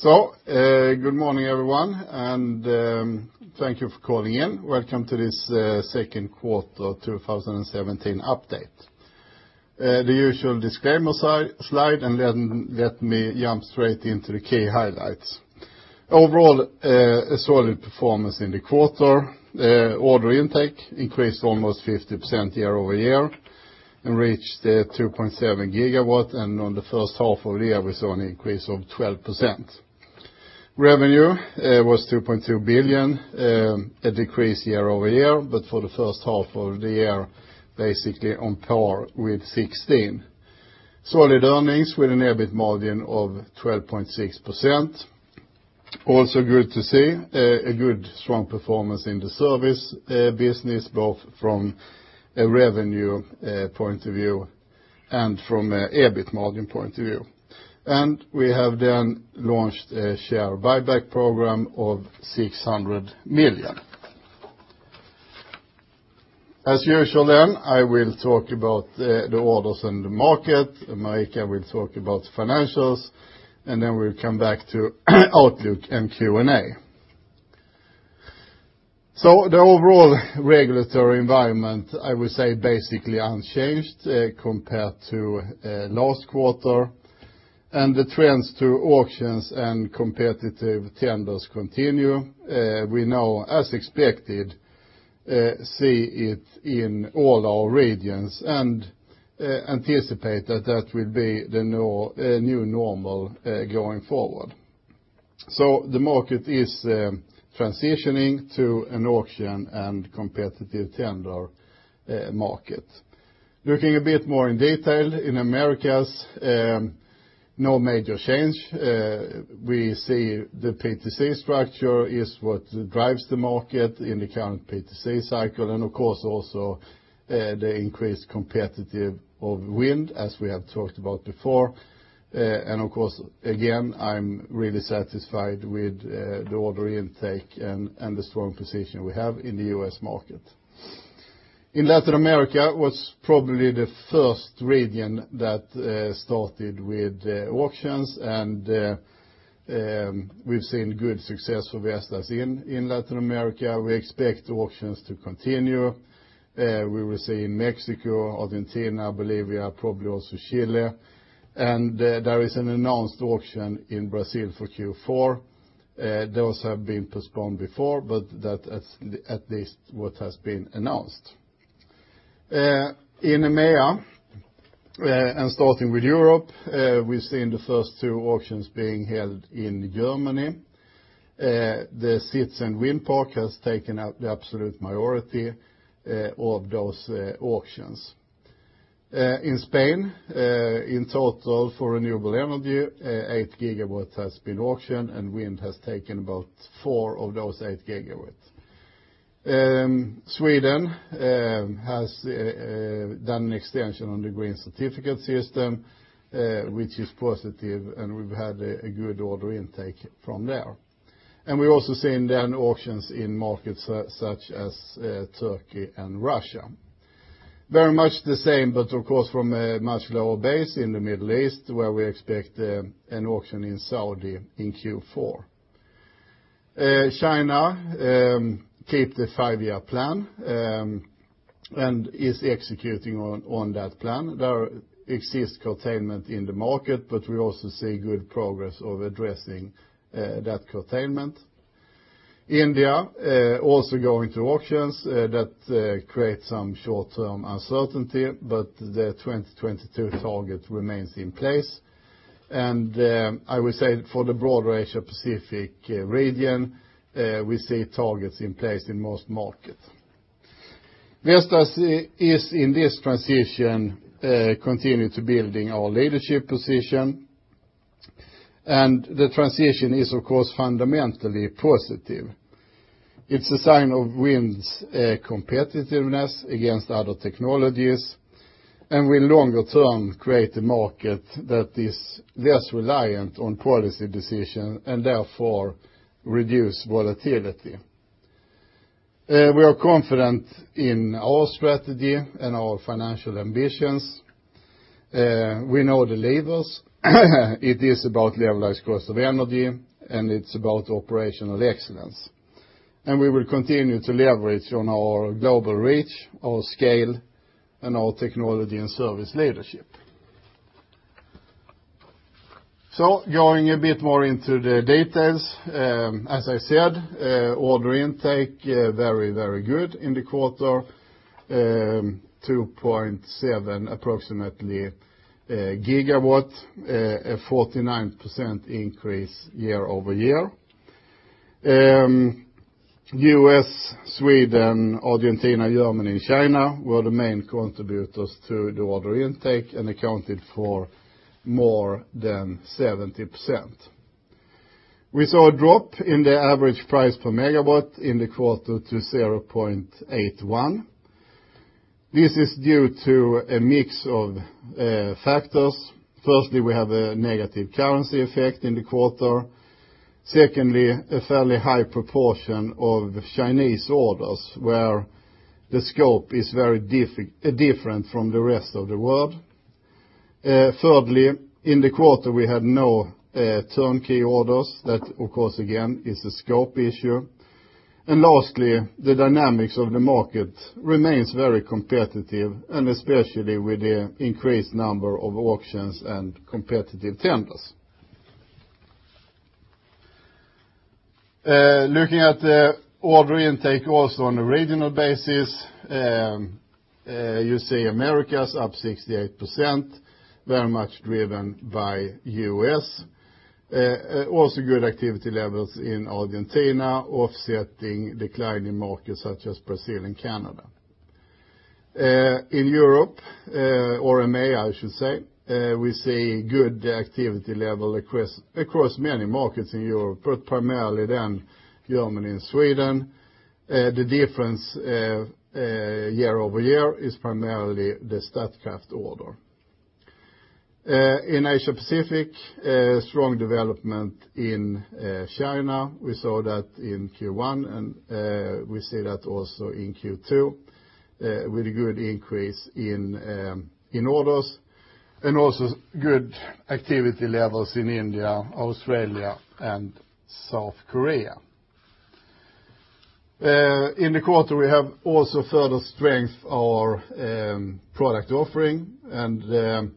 Good morning, everyone, thank you for calling in. Welcome to this second quarter 2017 update. The usual disclaimer slide. Let me jump straight into the key highlights. Overall, a solid performance in the quarter. Order intake increased almost 50% year-over-year and reached 2.7 gigawatts. On the first half of the year, we saw an increase of 12%. Revenue was 2.2 billion, a decrease year-over-year, but for the first half of the year, basically on par with 2016. Solid earnings with an EBIT margin of 12.6%. Also good to see a good, strong performance in the service business, both from a revenue point of view and from an EBIT margin point of view. We have launched a share buyback program of 600 million. As usual, I will talk about the orders and the market, Marika will talk about financials. We will come back to outlook and Q&A. The overall regulatory environment, I would say, basically unchanged compared to last quarter. The trends to auctions and competitive tenders continue. We now, as expected, see it in all our regions and anticipate that that will be the new normal going forward. The market is transitioning to an auction and competitive tender market. Looking a bit more in detail, in Americas, no major change. We see the PTC structure is what drives the market in the current PTC cycle and, of course, also the increased competitiveness of wind, as we have talked about before. Of course, again, I am really satisfied with the order intake and the strong position we have in the U.S. market. In Latin America, was probably the first region that started with auctions and we have seen good success for Vestas in Latin America. We expect auctions to continue. We will see in Mexico, Argentina, Bolivia, probably also Chile. There is an announced auction in Brazil for Q4. Those have been postponed before, but that at least what has been announced. In EMEA, starting with Europe, we have seen the first two auctions being held in Germany. The citizen wind park has taken out the absolute minority of those auctions. In Spain, in total for renewable energy, eight gigawatts has been auctioned and wind has taken about four of those eight gigawatts. Sweden has done an extension on the green certificate system, which is positive, and we have had a good order intake from there. We are also seeing auctions in markets such as Turkey and Russia. Very much the same, but of course, from a much lower base in the Middle East, where we expect an auction in Saudi in Q4. China keeps the five-year plan and is executing on that plan. There exists curtailment in the market, but we also see good progress of addressing that curtailment. India also going to auctions that create some short-term uncertainty, but the 2022 target remains in place. I would say for the broader Asia-Pacific region, we see targets in place in most markets. Vestas is in this transition, continuing to build our leadership position. The transition is, of course, fundamentally positive. It is a sign of wind's competitiveness against other technologies and will longer term create a market that is less reliant on policy decisions and therefore reduce volatility. We are confident in our strategy and our financial ambitions. We know the levers. It is about Levelized Cost of Energy, and it's about operational excellence. We will continue to leverage on our global reach, our scale, and our technology and service leadership. Going a bit more into the details. As I said, order intake very, very good in the quarter. 2.7 approximately gigawatt, a 49% increase year-over-year. U.S., Sweden, Argentina, Germany, and China were the main contributors to the order intake and accounted for more than 70%. We saw a drop in the average price per megawatt in the quarter to 0.81. This is due to a mix of factors. Firstly, we have a negative currency effect in the quarter. Secondly, a fairly high proportion of Chinese orders where the scope is very different from the rest of the world. Thirdly, in the quarter, we had no turnkey orders. That, of course, again is a scope issue. Lastly, the dynamics of the market remains very competitive, and especially with the increased number of auctions and competitive tenders. Looking at the order intake also on a regional basis, you see Americas up 68%, very much driven by U.S. Also good activity levels in Argentina offsetting decline in markets such as Brazil and Canada. In Europe, or EMEA, I should say, we see good activity level across many markets in Europe, but primarily then Germany and Sweden. The difference year-over-year is primarily the Statkraft order. In Asia-Pacific, strong development in China. We saw that in Q1, and we see that also in Q2 with a good increase in orders and also good activity levels in India, Australia, and South Korea. In the quarter, we have also further strengthened our product offering, and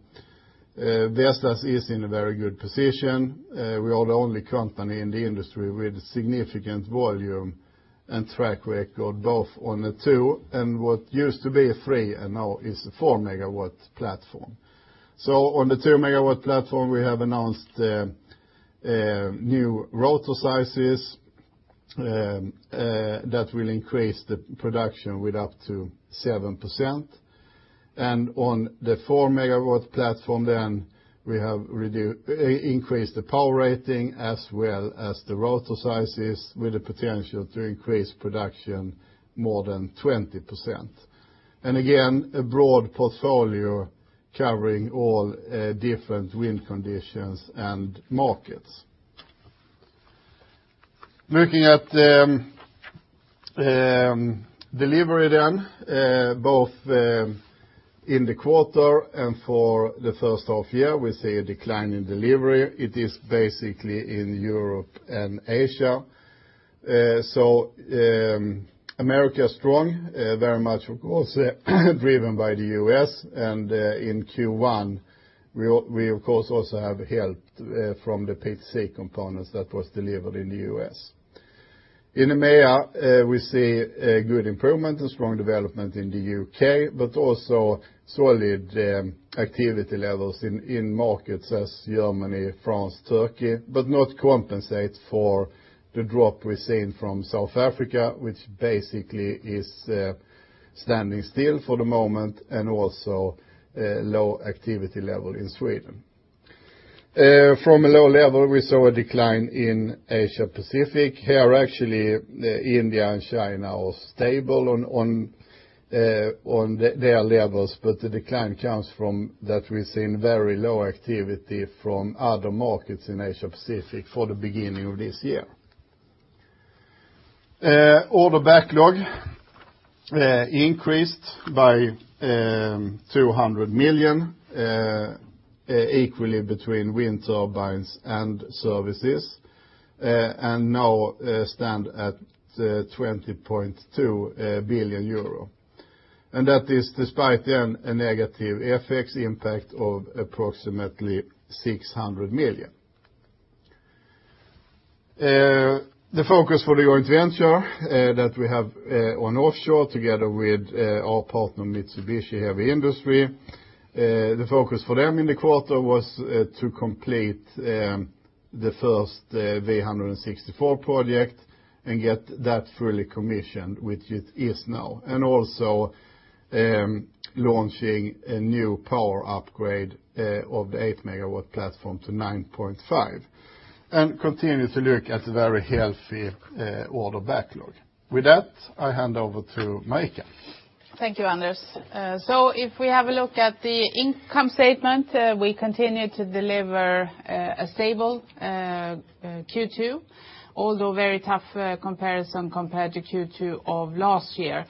Vestas is in a very good position. We are the only company in the industry with significant volume and track record both on the 2 and what used to be a 3 and now is a 4-megawatt platform. On the 2-megawatt platform, we have announced new rotor sizes that will increase the production with up to 7%. On the 4-megawatt platform, then we have increased the power rating as well as the rotor sizes with the potential to increase production more than 20%. Again, a broad portfolio covering all different wind conditions and markets. Looking at delivery then, both in the quarter and for the first half year, we see a decline in delivery. It is basically in Europe and Asia. America is strong, very much, of course, driven by the U.S. In Q1, we, of course, also have help from the PTC components that was delivered in the U.S. In EMEA, we see a good improvement and strong development in the U.K., but also solid activity levels in markets as Germany, France, Turkey, but not compensating for the drop we're seeing from South Africa, which basically is standing still for the moment and also a low activity level in Sweden. From a low level, we saw a decline in Asia-Pacific. Here, actually, India and China are stable on their levels, but the decline comes from that we're seeing very low activity from other markets in Asia-Pacific for the beginning of this year. Order backlog increased by 200 million, equally between wind turbines and services, and now stand at €20.2 billion. That is despite, again, a negative FX impact of approximately 600 million. The focus for the joint venture that we have on offshore together with our partner, Mitsubishi Heavy Industries, the focus for them in the quarter was to complete the first V164 project and get that fully commissioned, which it is now, also launching a new power upgrade of the 8 MW platform to 9.5 MW, and continue to look at a very healthy order backlog. I hand over to Marika. Thank you, Anders. If we have a look at the income statement, we continue to deliver a stable Q2, although very tough comparison compared to Q2 of last year,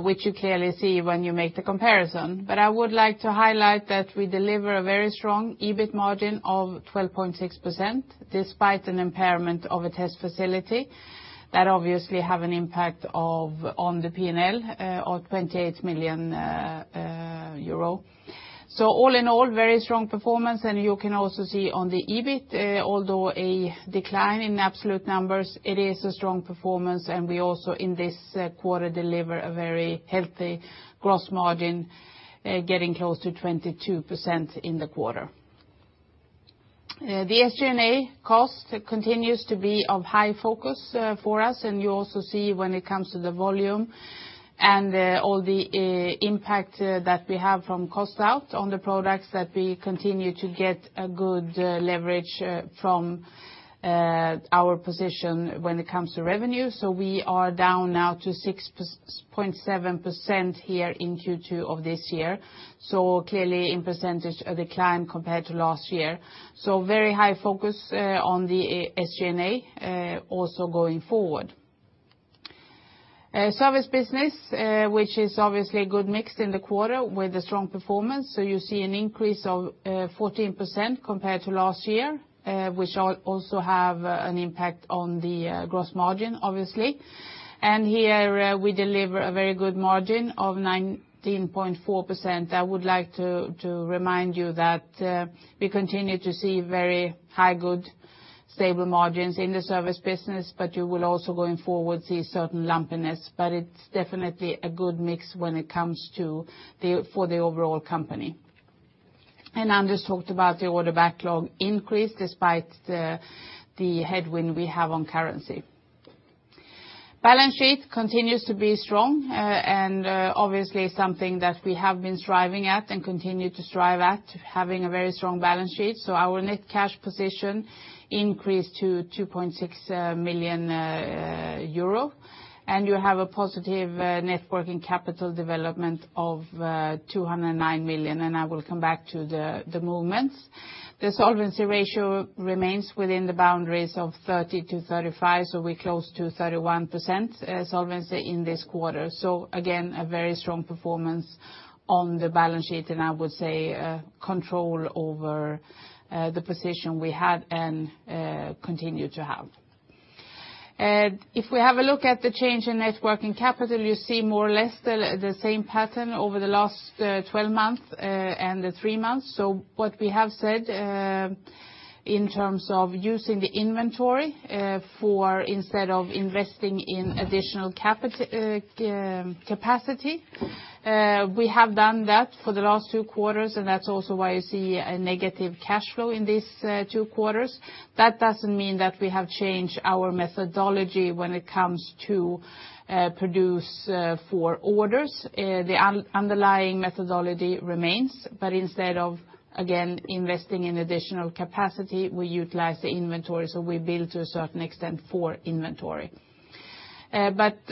which you clearly see when you make the comparison. I would like to highlight that we deliver a very strong EBIT margin of 12.6%, despite an impairment of a test facility that obviously have an impact on the P&L of 28 million euro. All in all, very strong performance, and you can also see on the EBIT, although a decline in absolute numbers, it is a strong performance, and we also in this quarter deliver a very healthy gross margin, getting close to 22% in the quarter. The SG&A cost continues to be of high focus for us, and you also see when it comes to the volume and all the impact that we have from cost out on the products that we continue to get a good leverage from our position when it comes to revenue. We are down now to 6.7% here in Q2 of this year. Clearly in percentage, a decline compared to last year. Very high focus on the SG&A also going forward. Service business, which is obviously a good mix in the quarter with a strong performance. You see an increase of 14% compared to last year, which also have an impact on the gross margin, obviously. Here we deliver a very good margin of 19.4%. I would like to remind you that we continue to see very high, good, stable margins in the service business, you will also, going forward, see certain lumpiness. It's definitely a good mix when it comes to for the overall company. Anders talked about the order backlog increase despite the headwind we have on currency. Balance sheet continues to be strong and obviously something that we have been striving at and continue to strive at, having a very strong balance sheet. Our net cash position increased to 2.6 billion euro, and you have a positive net working capital development of 209 million, and I will come back to the movements. The solvency ratio remains within the boundaries of 30-35, we're close to 31% solvency in this quarter. Again, a very strong performance on the balance sheet and I would say control over the position we had and continue to have. If we have a look at the change in net working capital, you see more or less the same pattern over the last 12 months and the 3 months. What we have said, in terms of using the inventory for instead of investing in additional capacity, we have done that for the last 2 quarters and that's also why you see a negative cash flow in these 2 quarters. That doesn't mean that we have changed our methodology when it comes to produce for orders. The underlying methodology remains, but instead of, again, investing in additional capacity, we utilize the inventory. We build to a certain extent for inventory.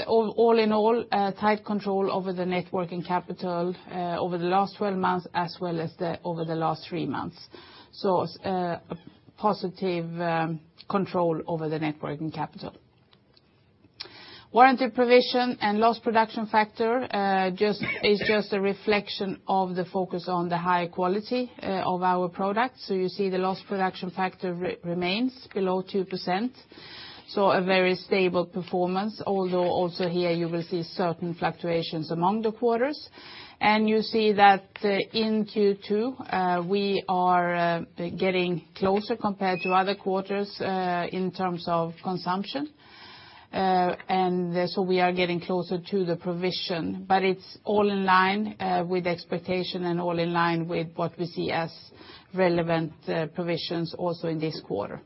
All in all, tight control over the net working capital over the last 12 months as well as over the last 3 months. A positive control over the net working capital. Warranty provision and lost production factor is just a reflection of the focus on the high quality of our products. You see the lost production factor remains below 2%. A very stable performance, although also here you will see certain fluctuations among the quarters. You see that in Q2, we are getting closer compared to other quarters in terms of consumption. We are getting closer to the provision, but it's all in line with expectation and all in line with what we see as relevant provisions also in this quarter.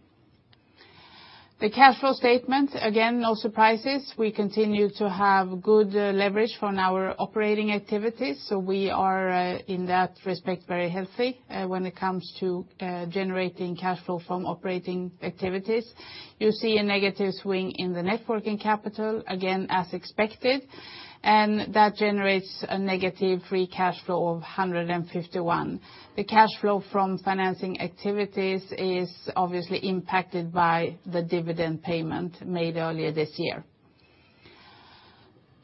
The cash flow statement, again, no surprises. We continue to have good leverage from our operating activities. We are, in that respect, very healthy when it comes to generating cash flow from operating activities. You see a negative swing in the net working capital, again, as expected, and that generates a negative free cash flow of 151. The cash flow from financing activities is obviously impacted by the dividend payment made earlier this year.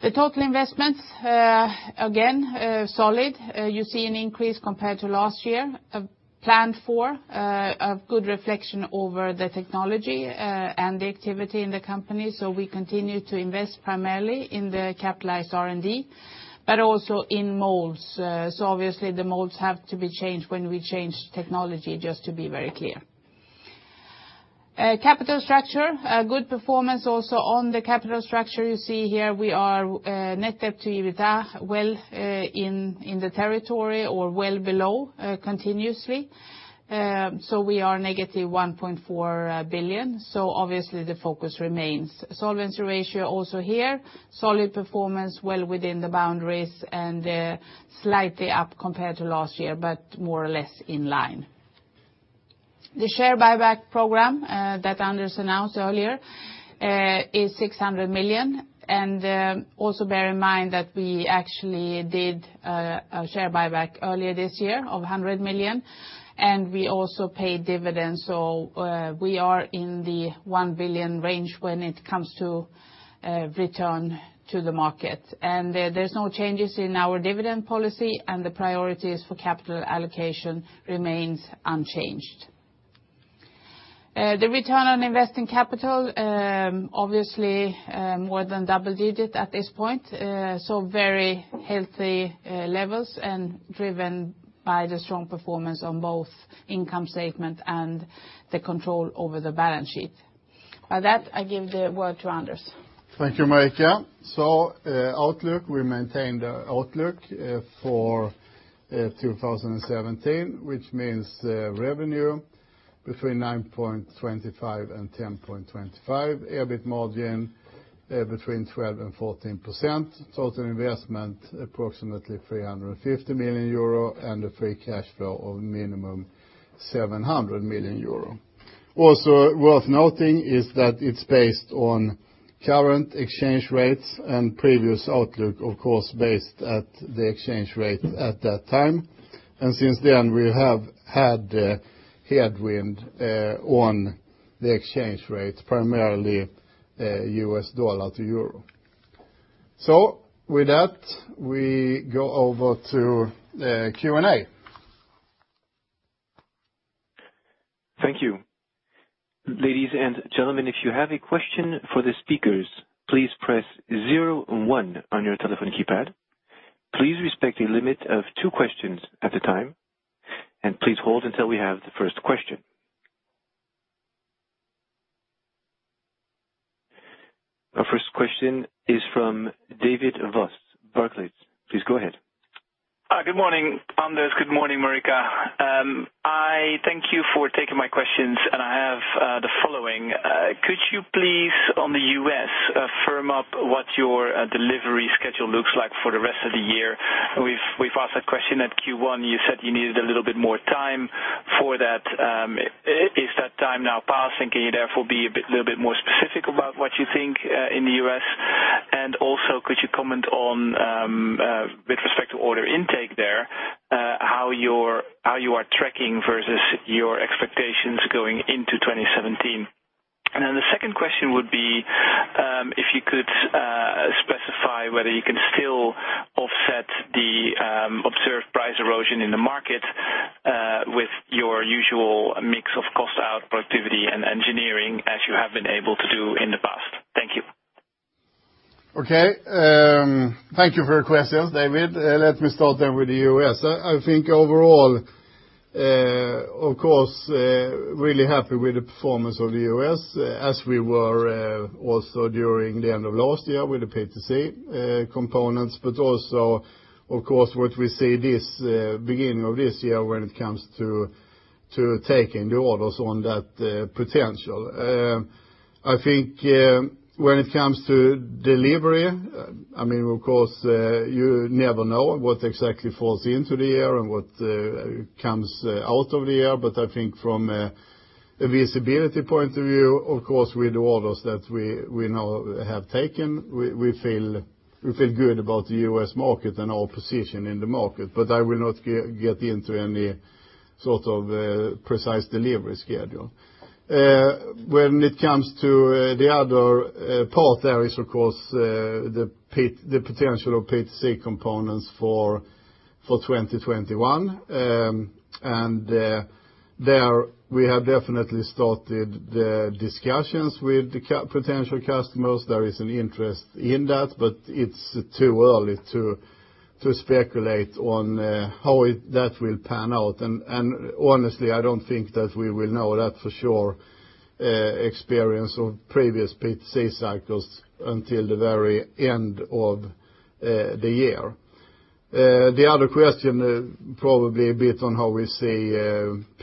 The total investments, again, solid. You see an increase compared to last year, planned for, a good reflection over the technology and the activity in the company. We continue to invest primarily in the capitalized R&D, but also in molds. Obviously the molds have to be changed when we change technology, just to be very clear. Capital structure, a good performance also on the capital structure. You see here we are net debt to EBITDA, well in the territory or well below continuously. We are negative 1.4. Obviously the focus remains. Solvency ratio also here, solid performance well within the boundaries and slightly up compared to last year, but more or less in line. The share buyback program that Anders announced earlier is 600 million. Also bear in mind that we actually did a share buyback earlier this year of 100 million, and we also paid dividends. We are in the 1 billion range when it comes to return to the market. There's no changes in our dividend policy, and the priorities for capital allocation remains unchanged. The return on investing capital, obviously more than double digit at this point. Very healthy levels and driven by the strong performance on both income statement and the control over the balance sheet. By that, I give the word to Anders. Thank you, Marika. Outlook, we maintain the outlook for 2017, which means revenue between 9.25 and 10.25, EBIT margin between 12%-14%, total investment approximately 350 million euro, and a free cash flow of minimum 700 million euro. Also worth noting is that it's based on current exchange rates and previous outlook, of course, based at the exchange rate at that time. Since then, we have had a headwind on the exchange rate, primarily USD to EUR. With that, we go over to Q&A. Thank you. Ladies and gentlemen, if you have a question for the speakers, please press zero one on your telephone keypad. Please respect a limit of two questions at a time, and please hold until we have the first question. Our first question is from David Vos, Barclays. Please go ahead. Hi. Good morning, Anders. Good morning, Marika. Thank you for taking my questions. I have the following. Could you please, on the U.S., firm up what your delivery schedule looks like for the rest of the year? We've asked that question at Q1. You said you needed a little bit more time for that. Is that time now passed, and can you therefore be a little bit more specific about what you think in the U.S.? Also, could you comment on, with respect to order intake there, how you are tracking versus your expectations going into 2017? The second question would be, if you could specify whether you can still offset the observed price erosion in the market with your usual mix of cost out productivity and engineering as you have been able to do in the past. Thank you. Thank you for your questions, David. Let me start with the U.S. I think overall, of course, really happy with the performance of the U.S. as we were also during the end of last year with the PTC components, also, of course, what we see this beginning of this year when it comes to taking the orders on that potential. I think when it comes to delivery, of course, you never know what exactly falls into the year and what comes out of the year. I think from a visibility point of view, of course, with the orders that we now have taken, we feel good about the U.S. market and our position in the market. I will not get into any sort of precise delivery schedule. When it comes to the other part, there is, of course, the potential of PTC components for 2021. There, we have definitely started the discussions with the potential customers. There is an interest in that, it's too early to speculate on how that will pan out. Honestly, I don't think that we will know that for sure, experience of previous PTC cycles, until the very end of the year. The other question, probably a bit on how we see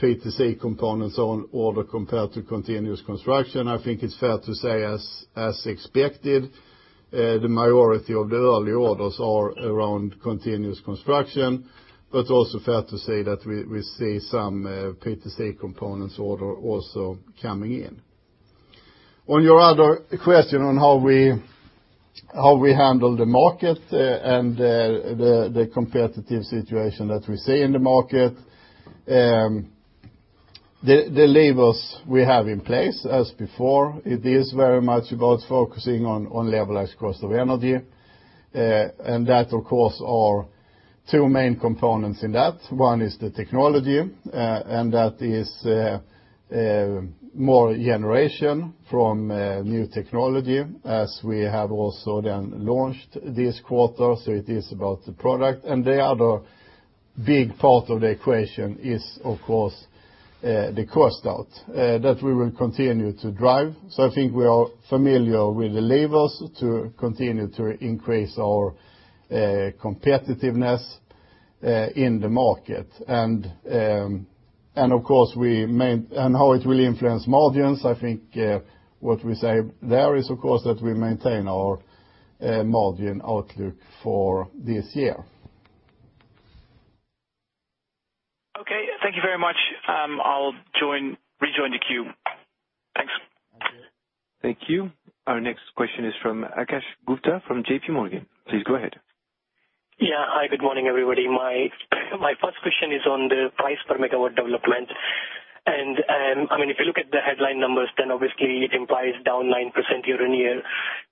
PTC components on order compared to continuous construction, I think it's fair to say as expected, the majority of the early orders are around continuous construction, but also fair to say that we see some PTC components order also coming in. On your other question on how we handle the market and the competitive situation that we see in the market, the levers we have in place, as before, it is very much about focusing on Levelized Cost of Energy. That, of course, are two main components in that. One is the technology, that is more generation from new technology as we have also then launched this quarter, so it is about the product. The other big part of the equation is, of course, the cost out that we will continue to drive. I think we are familiar with the levers to continue to increase our competitiveness in the market. How it will influence margins, I think what we say there is, of course, that we maintain our margin outlook for this year. Thank you very much. I'll rejoin the queue. Thanks. Thank you. Thank you. Our next question is from Akash Gupta from JPMorgan. Please go ahead. Yeah. Hi, good morning, everybody. My first question is on the price per megawatt development. If you look at the headline numbers, obviously it implies down 9% year-on-year,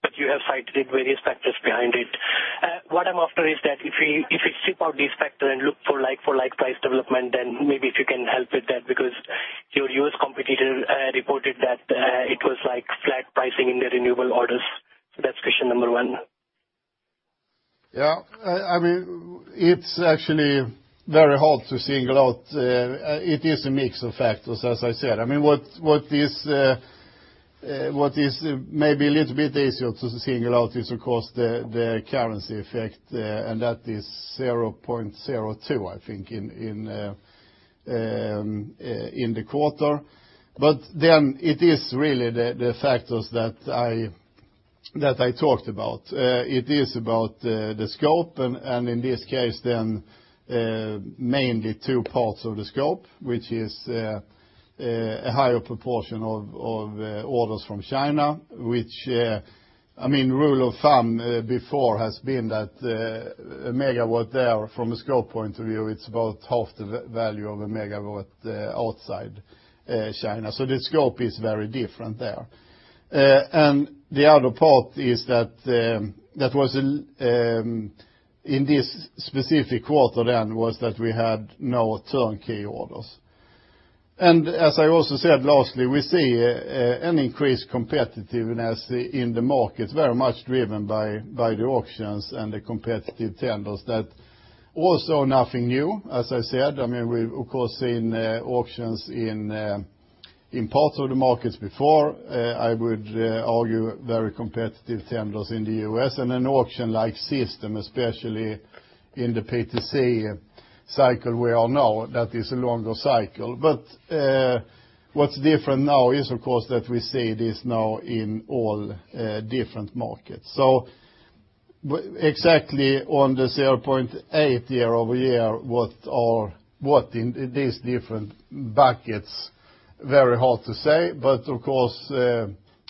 but you have cited various factors behind it. What I'm after is that if you strip out this factor and look for like-for-like price development, maybe if you can help with that, because your U.S. competitor reported that it was like flat pricing in their renewable orders. That's question number one. Yeah. It's actually very hard to single out. It is a mix of factors, as I said. What is maybe a little bit easier to single out is, of course, the currency effect, that is 0.02, I think, in the quarter. It is really the factors that I talked about. It is about the scope, in this case then, mainly two parts of the scope, which is a higher proportion of orders from China, which, rule of thumb before has been that a megawatt there, from a scope point of view, it's about half the value of a megawatt outside China. The scope is very different there. The other part is that in this specific quarter then, was that we had no turnkey orders. As I also said, lastly, we see an increased competitiveness in the markets very much driven by the auctions and the competitive tenders. That also nothing new, as I said. We, of course, seen auctions in parts of the markets before. I would argue very competitive tenders in the U.S. and an auction-like system, especially in the PTC cycle. We all know that is a longer cycle. What is different now is, of course, that we see this now in all different markets. Exactly on the 0.8% year-over-year, what in these different buckets, very hard to say, of course,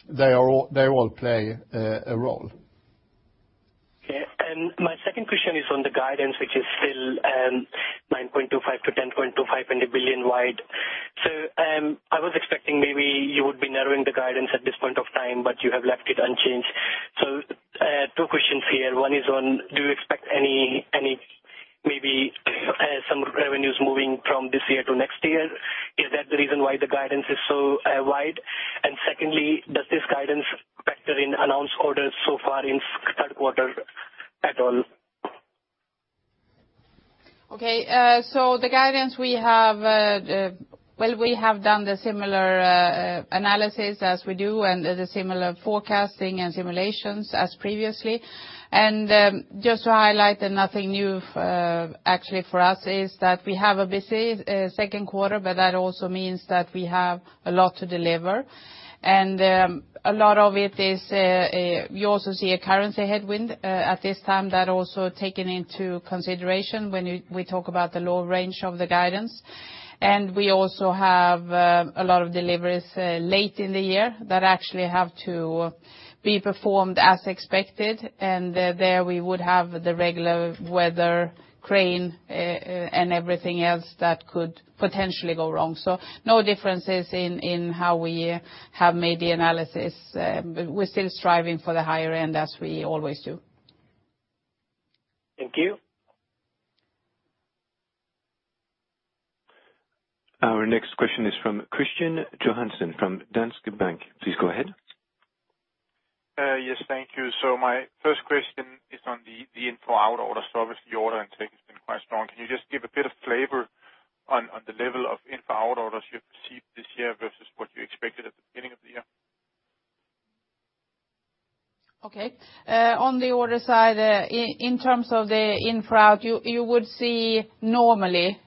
they all play a role. Okay. My second question is on the guidance, which is still 9.25 to 10.25 in the billion wide. I was expecting maybe you would be narrowing the guidance at this point of time, but you have left it unchanged. Two questions here. One is on, do you expect maybe some revenues moving from this year to next year? Is that the reason why the guidance is so wide? Secondly, does this guidance factor in announced orders so far in third quarter at all? Okay. The guidance we have, well, we have done the similar analysis as we do, and the similar forecasting and simulations as previously. Just to highlight that nothing new actually for us is that we have a busy second quarter, but that also means that we have a lot to deliver. A lot of it is, you also see a currency headwind at this time, that also taken into consideration when we talk about the low range of the guidance. We also have a lot of deliveries late in the year that actually have to be performed as expected. There, we would have the regular weather, crane, and everything else that could potentially go wrong. No differences in how we have made the analysis. We're still striving for the higher end, as we always do. Thank you. Our next question is from Kristian Johansen, from Danske Bank. Please go ahead. Yes. Thank you. My first question is on the in-for-out orders. Obviously the order intake has been quite strong. Can you just give a bit of flavor on the level of in-for-out orders you've received this year versus what you expected at the beginning of the year? Okay. On the order side, in terms of the in-for-out, you would see normally,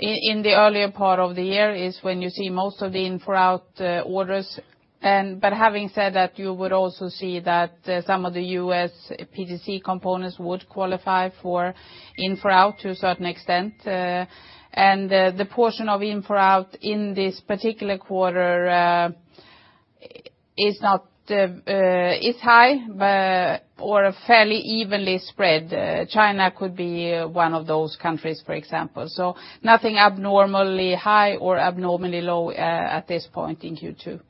in the earlier part of the year is when you see most of the in-for-out orders. Having said that, you would also see that some of the U.S. PTC components would qualify for in-for-out to a certain extent. The portion of in-for-out in this particular quarter, it's high, or fairly evenly spread. China could be one of those countries, for example. Nothing abnormally high or abnormally low, at this point in Q2.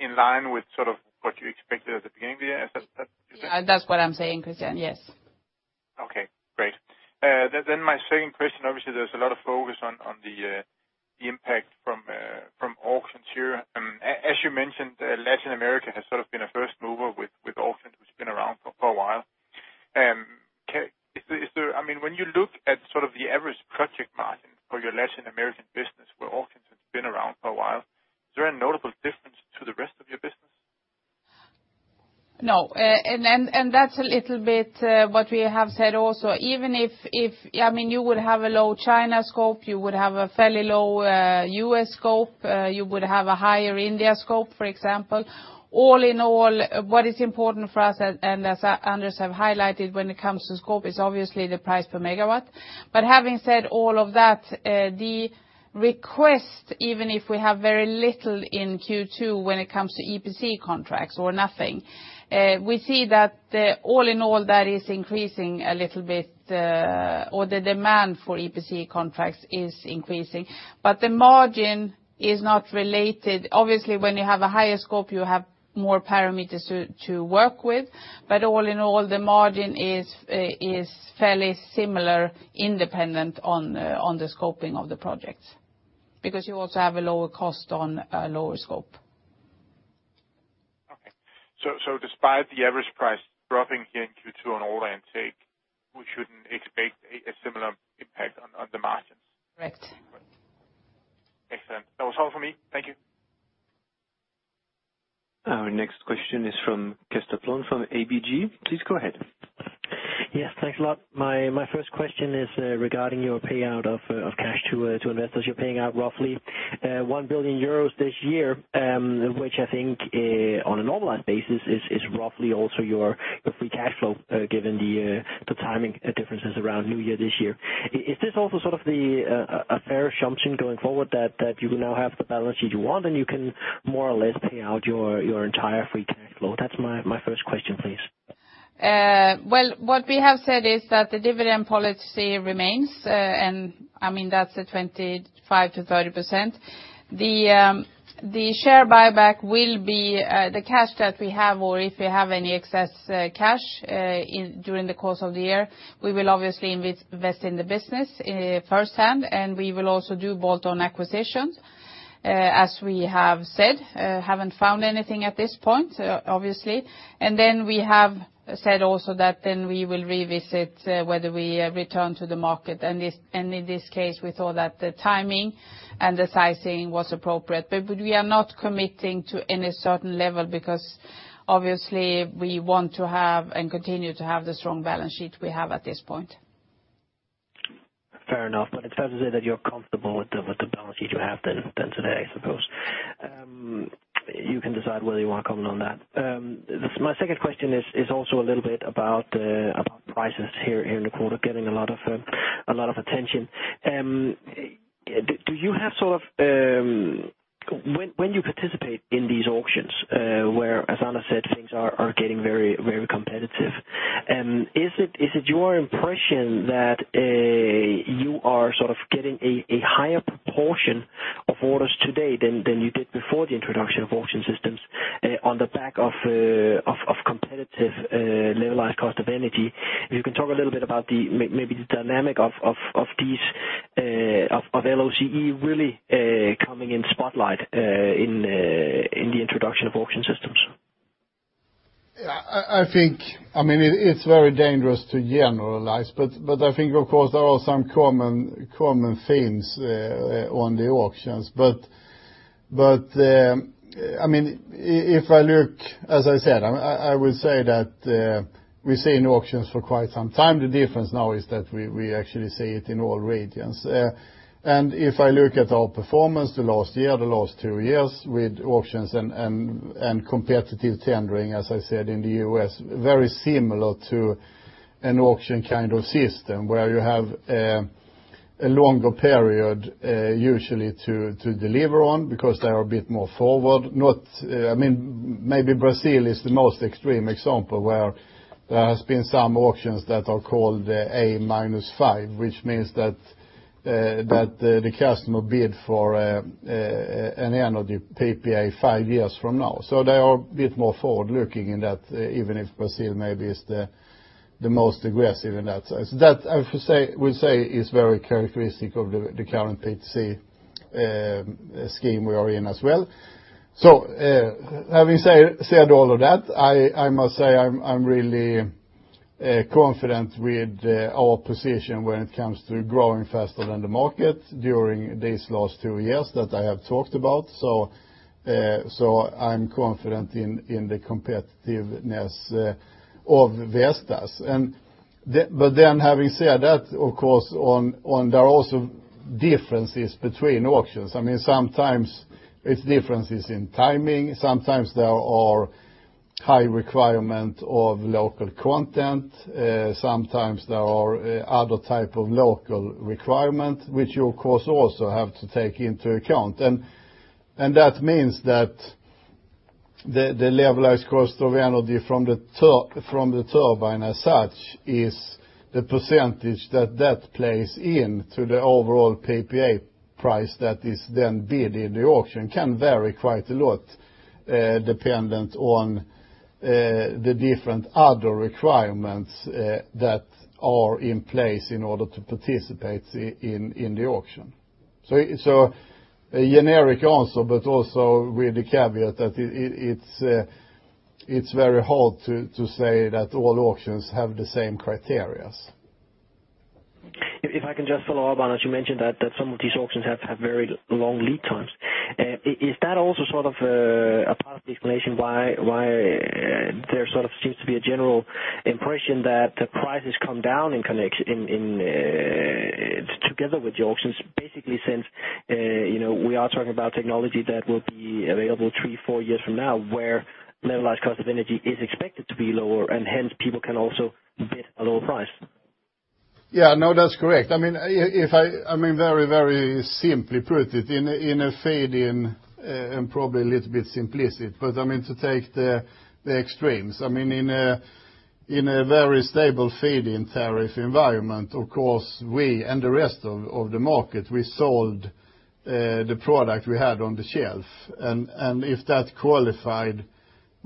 In line with sort of what you expected at the beginning of the year, is that? Yeah, that's what I'm saying, Kristian. Yes. Okay, great. My second question, obviously, there's a lot of focus on the impact from auctions here. As you mentioned, Latin America has sort of been a first mover with auctions, which has been around for a while. When you look at sort of the average project margin for your Latin American business, where auctions has been around for a while, is there a notable difference to the rest of your business? No, that's a little bit what we have said also. You would have a low China scope, you would have a fairly low U.S. scope. You would have a higher India scope, for example. All in all, what is important for us, and as Anders have highlighted when it comes to scope, is obviously the price per megawatt. Having said all of that, the request, even if we have very little in Q2 when it comes to EPC contracts or nothing, we see that all in all, that is increasing a little bit, or the demand for EPC contracts is increasing. The margin is not related. Obviously, when you have a higher scope, you have more parameters to work with. All in all, the margin is fairly similar independent on the scoping of the projects, because you also have a lower cost on a lower scope. Okay. Despite the average price dropping here in Q2 on order intake, we shouldn't expect a similar impact on the margins. Correct. Excellent. That was all for me. Thank you. Our next question is from Kester Wong from ABG. Please go ahead. Yes, thanks a lot. My first question is regarding your payout of cash to investors. You're paying out roughly 1 billion euros this year, which I think, on a normalized basis is roughly also your free cash flow, given the timing differences around New Year this year. Is this also sort of a fair assumption going forward that you now have the balance sheet you want, and you can more or less pay out your entire free cash flow? That's my first question, please. Well, what we have said is that the dividend policy remains, and that's the 25%-30%. The share buyback will be the cash that we have, or if we have any excess cash during the course of the year, we will obviously invest in the business firsthand, and we will also do bolt-on acquisitions, as we have said. Haven't found anything at this point, obviously. Then we have said also that then we will revisit whether we return to the market. In this case, we thought that the timing and the sizing was appropriate. We are not committing to any certain level because obviously we want to have and continue to have the strong balance sheet we have at this point. Fair enough. It's fair to say that you're comfortable with the balance sheet you have then today, I suppose. You can decide whether you want to comment on that. My second question is also a little bit about the prices here in the quarter getting a lot of attention. When you participate in these auctions, where, as Anders said, things are getting very competitive, is it your impression that you are sort of getting a higher proportion of orders today than you did before the introduction of auction systems on the back of competitive Levelized Cost of Energy? If you can talk a little bit about maybe the dynamic of LCOE really coming in spotlight in the introduction of auction systems. It's very dangerous to generalize, but I think, of course, there are some common themes on the auctions. As I said, I would say that we've seen auctions for quite some time. The difference now is that we actually see it in all regions. If I look at our performance the last year, the last two years with auctions and competitive tendering, as I said, in the U.S., very similar to an auction kind of system where you have a longer period, usually, to deliver on because they are a bit more forward. Maybe Brazil is the most extreme example where there has been some auctions that are called A minus five, which means that the customer bid for an energy PPA five years from now. They are a bit more forward-looking in that, even if Brazil maybe is the most aggressive in that sense. That, I would say, is very characteristic of the current PTC scheme we are in as well. Having said all of that, I must say I'm really confident with our position when it comes to growing faster than the market during these last two years that I have talked about. I'm confident in the competitiveness of Vestas. Having said that, of course, there are also differences between auctions. Sometimes it's differences in timing, sometimes there are high requirement of local content, sometimes there are other type of local requirement, which you, of course, also have to take into account. That means that the Levelized Cost of Energy from the turbine as such is the % that plays into the overall PPA price that is then bid in the auction can vary quite a lot, dependent on the different other requirements that are in place in order to participate in the auction. A generic answer, but also with the caveat that it's very hard to say that all auctions have the same criteria. If I can just follow up, Anders, as you mentioned that some of these auctions have very long lead times. Is that also sort of a part of the explanation why there sort of seems to be a general impression that the prices come down together with the auctions, basically since we are talking about technology that will be available three, four years from now, where Levelized Cost of Energy is expected to be lower and hence people can also bid a lower price? Yeah. No, that is correct. Very simply put it in a feed-in, probably a little bit simplistic, but to take the extremes. In a very stable feed-in tariff environment, of course, we and the rest of the market, we sold the product we had on the shelf. If that qualified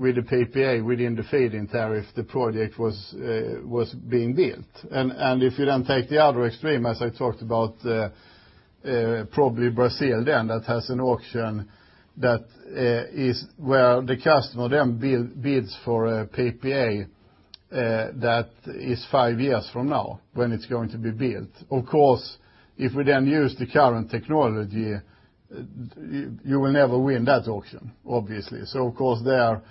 with the PPA within the feed-in tariff, the project was being built. If you then take the other extreme, as I talked about, probably Brazil then that has an auction where the customer then bids for a PPA that is 5 years from now when it is going to be built. Of course, if we then use the current technology, you will never win that auction, obviously. There,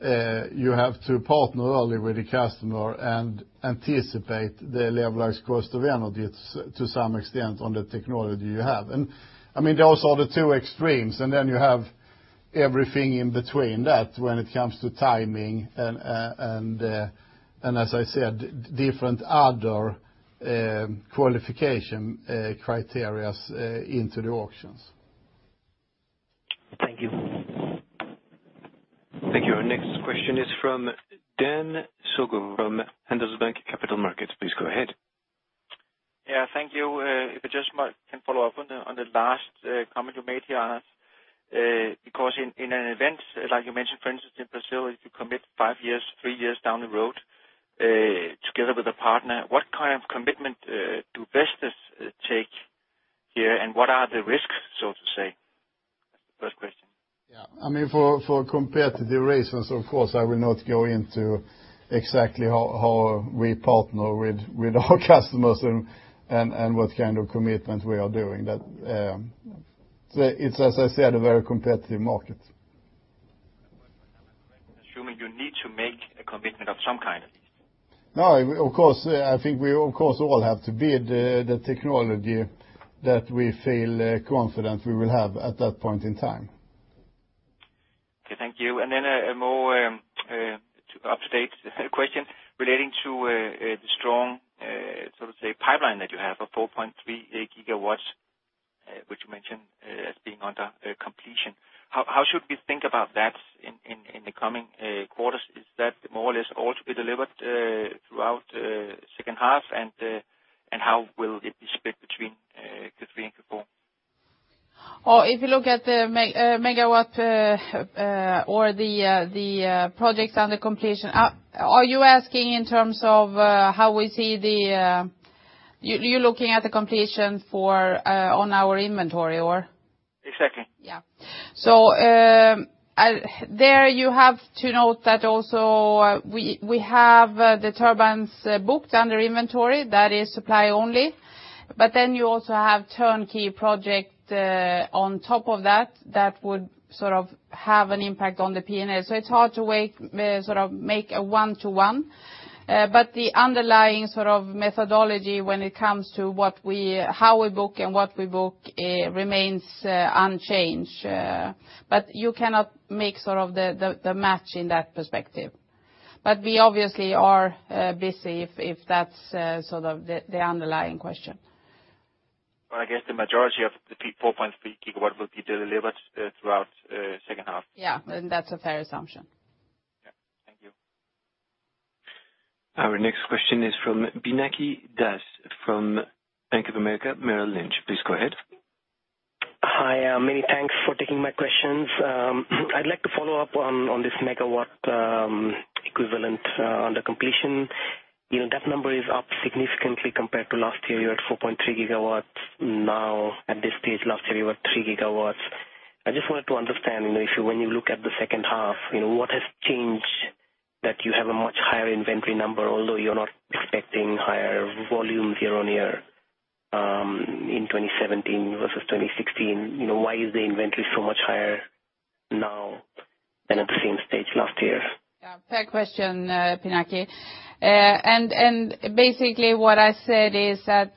you have to partner early with the customer and anticipate the Levelized Cost of Energy to some extent on the technology you have. Those are the 2 extremes, and then you have everything in between that when it comes to timing and, as I said, different other qualification criteria into the auctions. Thank you. Thank you. Our next question is from Dan Togo from Handelsbanken Capital Markets. Please go ahead. Yeah, thank you. If I just can follow up on the last comment you made here, Anders, in an event, like you mentioned, for instance, in Brazil, if you commit five years, three years down the road, together with a partner, what kind of commitment do Vestas take here, and what are the risks, so to say? That's the first question. Yeah. For competitive reasons, of course, I will not go into exactly how we partner with our customers and what kind of commitment we are doing. It's, as I said, a very competitive market. I'm assuming you need to make a commitment of some kind. Of course, I think we all have to bid the technology that we feel confident we will have at that point in time. Okay, thank you. Then a more up-to-date question relating to the strong pipeline that you have of 4.3 gigawatts, which you mentioned as being under completion. How should we think about that in the coming quarters? Is that more or less all to be delivered throughout the second half, and how will it be split between Q3 and Q4? If you look at the megawatt or the projects under completion, are you asking in terms of You're looking at the completion on our inventory, or? Exactly. Yeah. There you have to note that also we have the turbines booked under inventory that is supply only, you also have turnkey project on top of that would have an impact on the P&L. It's hard to make a one-to-one. The underlying methodology when it comes to how we book and what we book remains unchanged. You cannot make the match in that perspective. We obviously are busy, if that's the underlying question. Well, I guess the majority of the 4.3 gigawatt will be delivered throughout second half. Yeah, that's a fair assumption. Yeah. Thank you. Our next question is from Pinaki Das from Bank of America Merrill Lynch. Please go ahead. Hi. Many thanks for taking my questions. I'd like to follow up on this megawatt equivalent under completion. That number is up significantly compared to last year. You had 4.3 gigawatts now at this stage. Last year, you were at three gigawatts. I just wanted to understand, when you look at the second half, what has changed that you have a much higher inventory number, although you're not expecting higher volumes year-on-year, in 2017 versus 2016? Why is the inventory so much higher now than at the same stage last year? Basically, what I said is that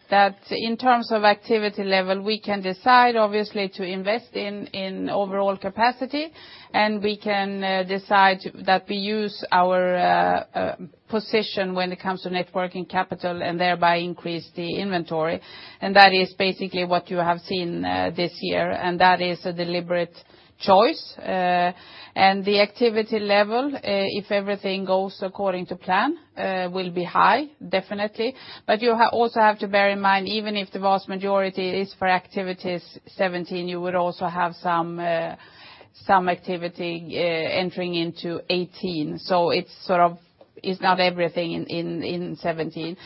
in terms of activity level, we can decide, obviously, to invest in overall capacity, and we can decide that we use our position when it comes to net working capital and thereby increase the inventory. That is basically what you have seen this year, and that is a deliberate choice. The activity level, if everything goes according to plan, will be high, definitely. You also have to bear in mind, even if the vast majority is for activities 2017, you would also have some activity entering into 2018. It's not everything in 2017.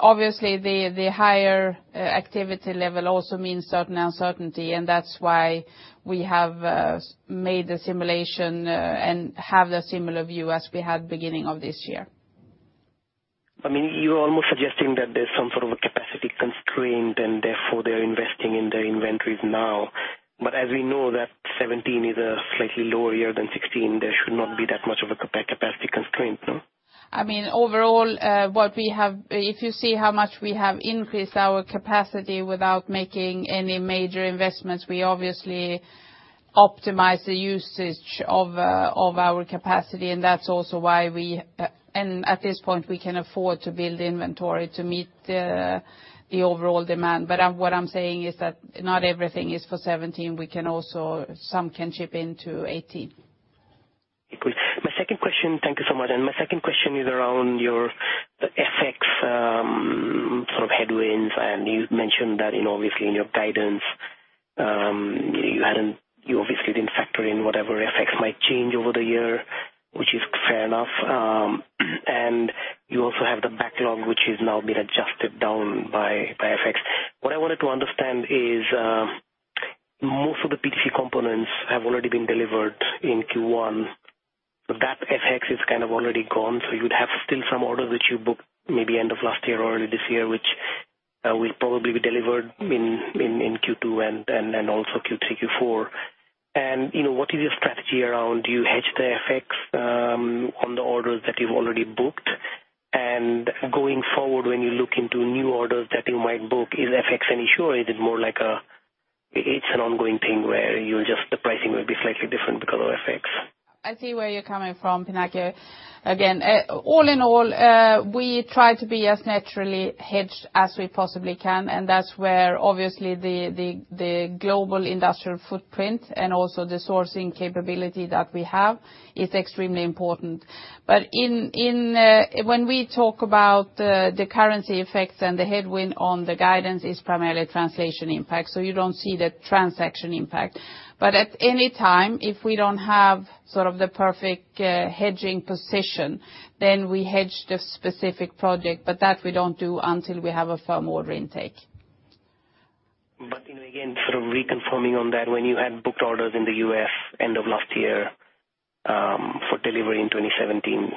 Obviously, the higher activity level also means certain uncertainty, and that's why we have made the simulation and have the similar view as we had beginning of this year. You're almost suggesting that there's some sort of a capacity constraint, and therefore they're investing in the inventories now. As we know that 2017 is a slightly lower year than 2016, there should not be that much of a capacity constraint, no? Overall, if you see how much we have increased our capacity without making any major investments, we obviously optimize the usage of our capacity, and that's also why we. At this point, we can afford to build inventory to meet the overall demand. What I'm saying is that not everything is for 2017. Some can chip into 2018. Thank you so much. My second question is around your FX headwinds, and you mentioned that obviously in your guidance, you obviously didn't factor in whatever effects might change over the year, which is fair enough. You also have the backlog, which has now been adjusted down by FX. What I wanted to understand is, most of the PTC components have already been delivered in Q1. That FX is kind of already gone. You would have still some orders which you booked maybe end of last year or early this year, which will probably be delivered in Q2 and also Q3, Q4. What is your strategy around, do you hedge the FX on the orders that you've already booked? Going forward, Two orders that you might book, is FX an issue or is it more like it's an ongoing thing where the pricing will be slightly different because of FX? I see where you're coming from, Pinaki. All in all, we try to be as naturally hedged as we possibly can, and that's where obviously the global industrial footprint and also the sourcing capability that we have is extremely important. When we talk about the currency effects and the headwind on the guidance is primarily translation impact. You don't see the transaction impact. At any time, if we don't have the perfect hedging position, then we hedge the specific project, but that we don't do until we have a firm order intake. Again, sort of reconfirming on that, when you had booked orders in the U.S. end of last year, for delivery in 2017. That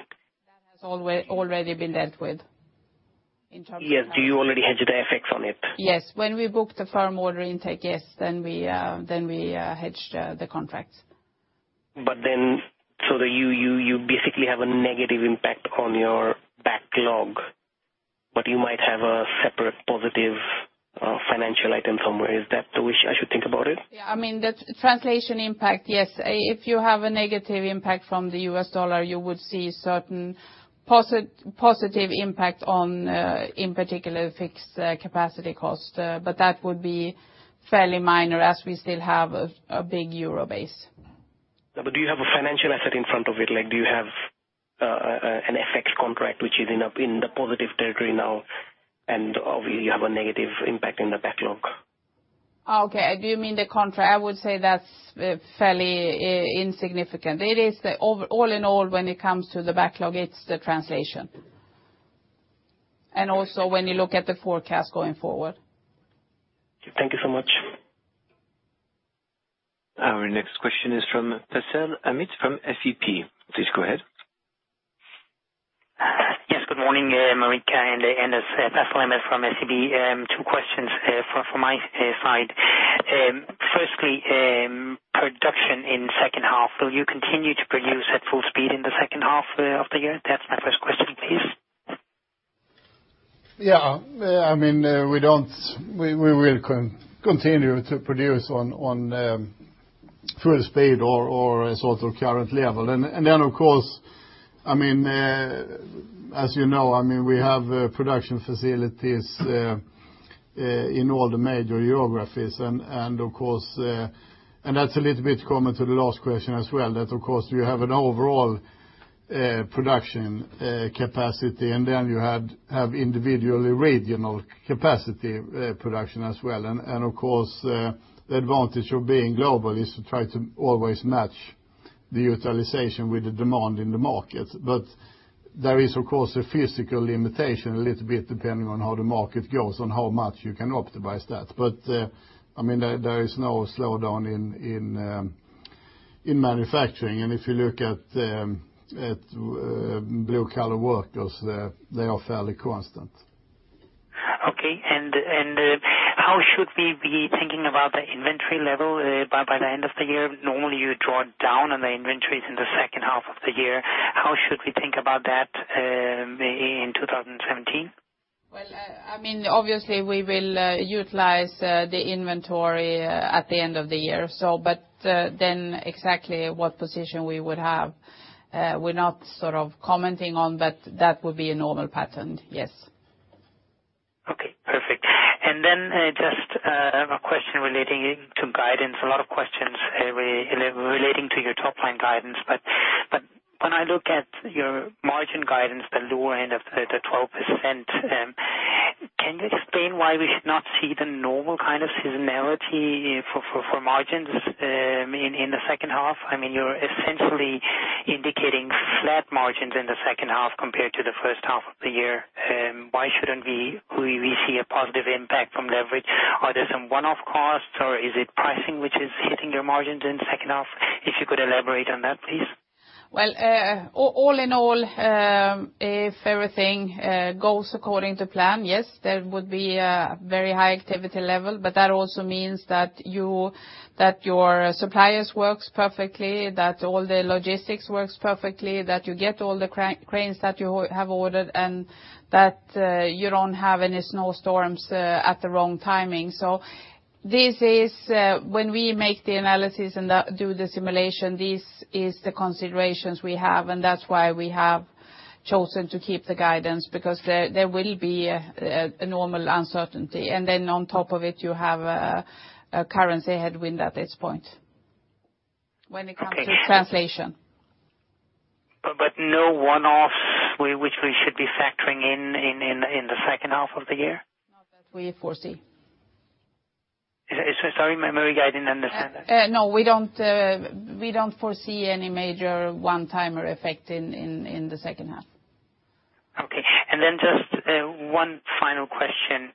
has already been dealt with. Yes. Do you already hedge the FX on it? Yes. When we book the firm order intake, yes, then we hedge the contracts. You basically have a negative impact on your backlog, but you might have a separate positive financial item somewhere. Is that the way I should think about it? Yeah. Translation impact, yes. If you have a negative impact from the US dollar, you would see certain positive impact on, in particular fixed capacity cost. That would be fairly minor as we still have a big euro base. Do you have a financial asset in front of it? Do you have an FX contract which is in the positive territory now and obviously you have a negative impact in the backlog? Okay. Do you mean the contract? I would say that's fairly insignificant. All in all, when it comes to the backlog, it's the translation. Also when you look at the forecast going forward. Thank you so much. Our next question is from Pascal Amit from SEB. Please go ahead. Yes, good morning, Marika and Anders. Pascal Amit from SEB. Two questions from my side. Firstly, production in second half, will you continue to produce at full speed in the second half of the year? That is my first question, please. Yeah. We will continue to produce on full speed or sort of current level. Then, as you know, we have production facilities in all the major geographies and that is a little bit common to the last question as well, that of course, we have an overall production capacity, then you have individually regional capacity production as well. Of course, the advantage of being global is to try to always match the utilization with the demand in the market. There is, of course, a physical limitation a little bit, depending on how the market goes, on how much you can optimize that. There is no slowdown in manufacturing. If you look at blue collar workers, they are fairly constant. Okay. How should we be thinking about the inventory level by the end of the year? Normally, you draw down on the inventories in the second half of the year. How should we think about that in 2017? Obviously, we will utilize the inventory at the end of the year. Exactly what position we would have, we are not commenting on, but that would be a normal pattern, yes. Okay, perfect. Just a question relating to guidance. A lot of questions relating to your top-line guidance. When I look at your margin guidance, the lower end of the 12%, can you explain why we should not see the normal kind of seasonality for margins in the second half? You're essentially indicating flat margins in the second half compared to the first half of the year. Why shouldn't we see a positive impact from leverage? Are there some one-off costs or is it pricing which is hitting your margins in the second half? If you could elaborate on that, please. Well, all in all, if everything goes according to plan, yes, there would be a very high activity level, but that also means that your suppliers works perfectly, that all the logistics works perfectly, that you get all the cranes that you have ordered, and that you don't have any snowstorms at the wrong timing. When we make the analysis and do the simulation, this is the considerations we have, and that's why we have chosen to keep the guidance, because there will be a normal uncertainty. On top of it, you have a currency headwind at this point when it comes to translation. No one-offs which we should be factoring in the second half of the year? Not that we foresee. Sorry, Marika, I didn't understand that. We don't foresee any major one-timer effect in the second half. Okay. Just one final question.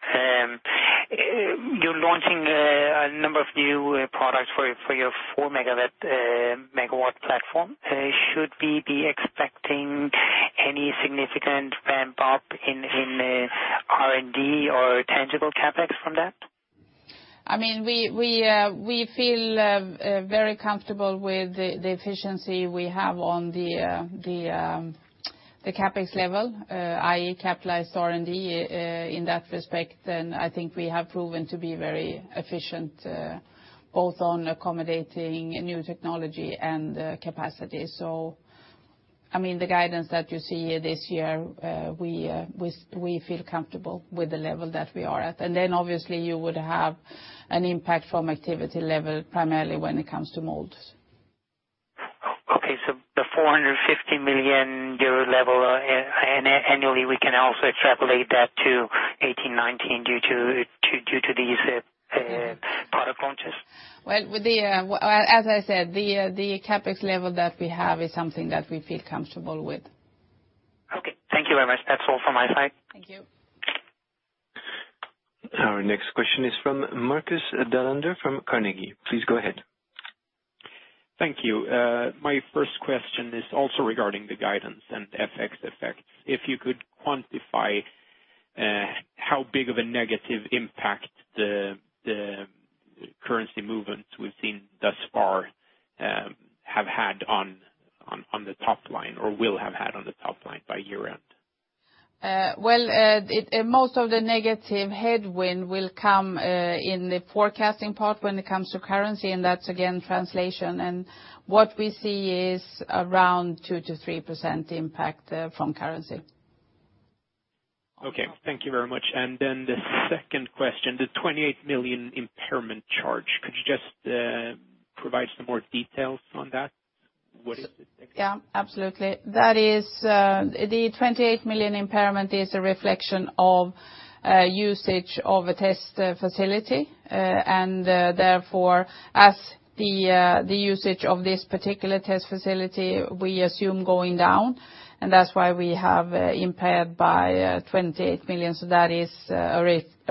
You're launching a number of new products for your four megawatt platform. Should we be expecting any significant ramp up in R&D or tangible CapEx from that? We feel very comfortable with the efficiency we have on the CapEx level, i.e., capitalized R&D in that respect, and I think we have proven to be very efficient both on accommodating new technology and capacity. The guidance that you see this year, we feel comfortable with the level that we are at. Obviously you would have an impact from activity level primarily when it comes to molds. Okay. The 450 million euro level annually, we can also extrapolate that to 2018, 2019 due to these product launches? Well, as I said, the CapEx level that we have is something that we feel comfortable with. Okay. Thank you very much. That is all from my side. Thank you. Our next question is from Marcus Dahlander from Carnegie. Please go ahead. Thank you. My first question is also regarding the guidance and FX effect. If you could quantify how big of a negative impact the currency movements we've seen thus far have had on the top line or will have had on the top line by year-end. Well, most of the negative headwind will come in the forecasting part when it comes to currency, and that's again, translation. What we see is around 2%-3% impact from currency. Okay. Thank you very much. The second question, the 28 million impairment charge. Could you just provide some more details on that? What is it exactly? Yeah, absolutely. The 28 million impairment is a reflection of usage of a test facility. Therefore, as the usage of this particular test facility, we assume going down, and that's why we have impaired by 28 million. That is a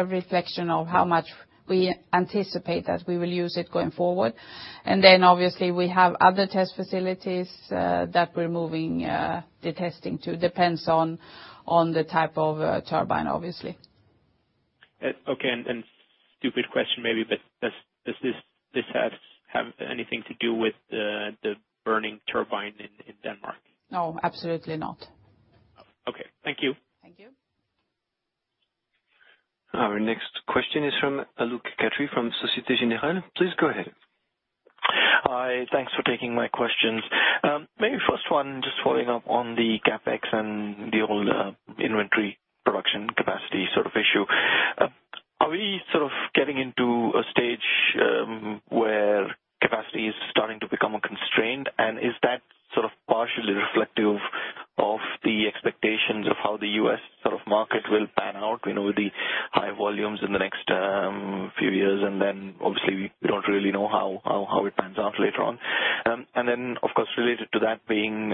reflection of how much we anticipate that we will use it going forward. Obviously we have other test facilities that we're moving the testing to. Depends on the type of turbine, obviously. Okay. Stupid question maybe, does this have anything to do with the burning turbine in Denmark? No, absolutely not. Okay. Thank you. Thank you. Our next question is from Alok Kataria from Société Générale. Please go ahead. Hi. Thanks for taking my questions. Maybe first one, just following up on the CapEx and the whole inventory production capacity issue. Is that partially reflective of the expectations of how the U.S. market will pan out with the high volumes in the next few years? Obviously we don't really know how it pans out later on. Of course, related to that being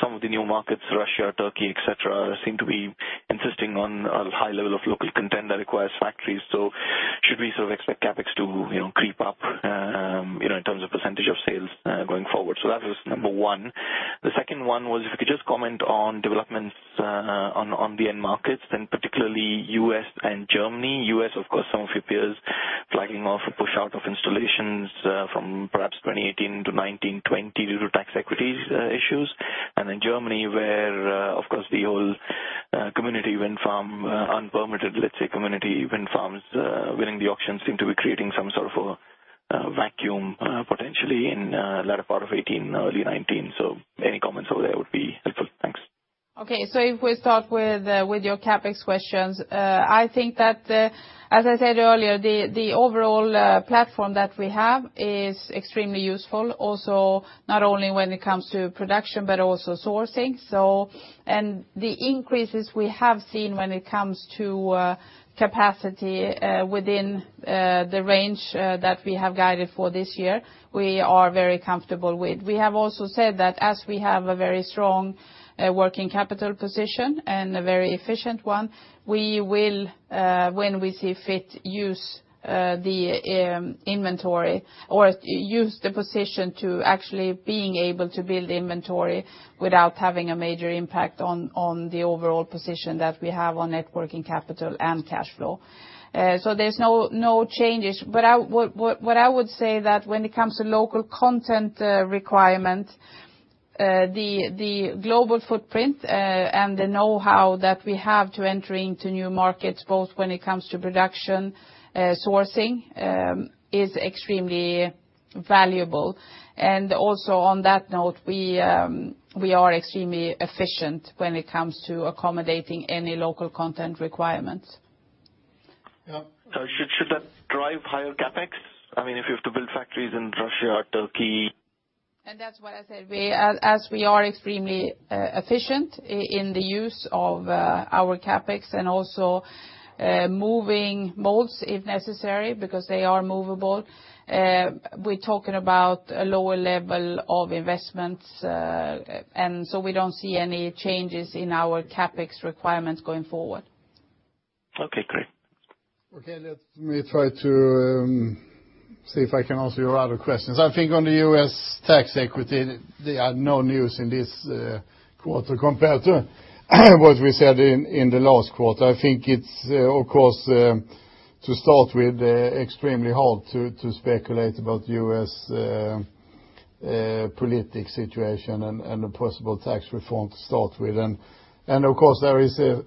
some of the new markets, Russia, Turkey, et cetera, seem to be insisting on a high level of local content that requires factories. Should we sort of expect CapEx to creep up in terms of % of sales going forward? That was number 1. The second 1 was if you could just comment on developments on the end markets and particularly U.S. and Germany. U.S., of course, some of your peers flagging off a push out of installations from perhaps 2018 to 2019, 2020 due to tax equities issues. Germany where, of course, the whole citizen wind park, unpermitted, let's say, citizen wind parks winning the auction seem to be creating some sort of a vacuum potentially in latter part of 2018, early 2019. Any comments over there would be helpful. Thanks. If we start with your CapEx questions, I think that, as I said earlier, the overall platform that we have is extremely useful also, not only when it comes to production, but also sourcing. The increases we have seen when it comes to capacity within the range that we have guided for this year, we are very comfortable with. We have also said that as we have a very strong working capital position and a very efficient one, we will, when we see fit, use the inventory or use the position to actually being able to build inventory without having a major impact on the overall position that we have on net working capital and cash flow. There's no changes. What I would say that when it comes to local content requirement, the global footprint, and the know-how that we have to enter into new markets, both when it comes to production, sourcing, is extremely valuable. Also on that note, we are extremely efficient when it comes to accommodating any local content requirements. Yeah. Should that drive higher CapEx? If you have to build factories in Russia or Turkey. That's why I said, as we are extremely efficient in the use of our CapEx and also moving molds if necessary because they are movable, we're talking about a lower level of investments. We don't see any changes in our CapEx requirements going forward. Okay, great. Okay, let me try to See if I can answer your other questions. I think on the U.S. tax equity, there are no news in this quarter compared to what we said in the last quarter. I think it's, of course, to start with, extremely hard to speculate about U.S. political situation and a possible tax reform to start with. Of course, there is a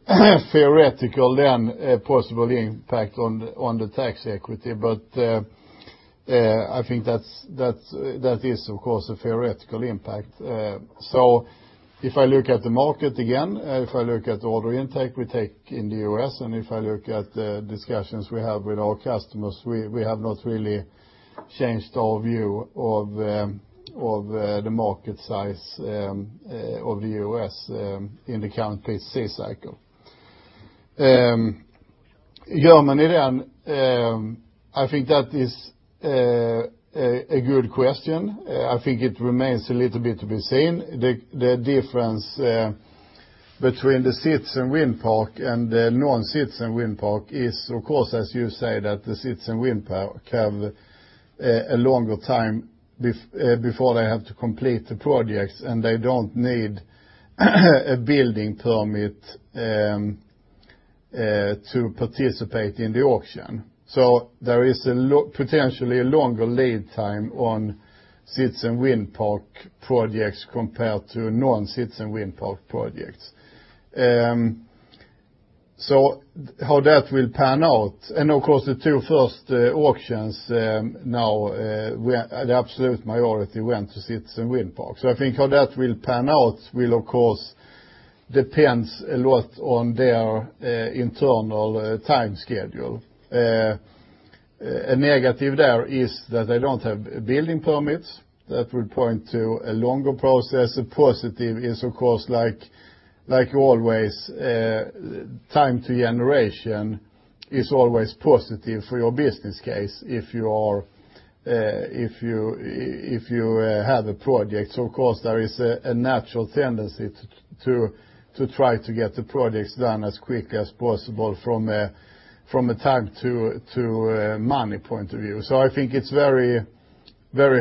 theoretical, then a possible impact on the tax equity. I think that is, of course, a theoretical impact. If I look at the market again, if I look at order intake we take in the U.S., and if I look at the discussions we have with our customers, we have not really changed our view of the market size of the U.S. in the current PTC cycle. Germany, I think that is a good question. I think it remains a little bit to be seen. The difference between the citizen wind park and the non-citizen wind park is, of course, as you say, that the citizen wind park have a longer time before they have to complete the projects, and they don't need a building permit to participate in the auction. There is potentially a longer lead time on citizen wind park projects compared to non-citizen wind park projects. How that will pan out, and of course, the two first auctions now, the absolute majority went to citizen wind parks. I think how that will pan out will, of course, depends a lot on their internal time schedule. A negative there is that they don't have building permits. That would point to a longer process. A positive is, of course, like always, time to generation is always positive for your business case if you have a project. Of course, there is a natural tendency to try to get the projects done as quick as possible from a time to money point of view. I think it's very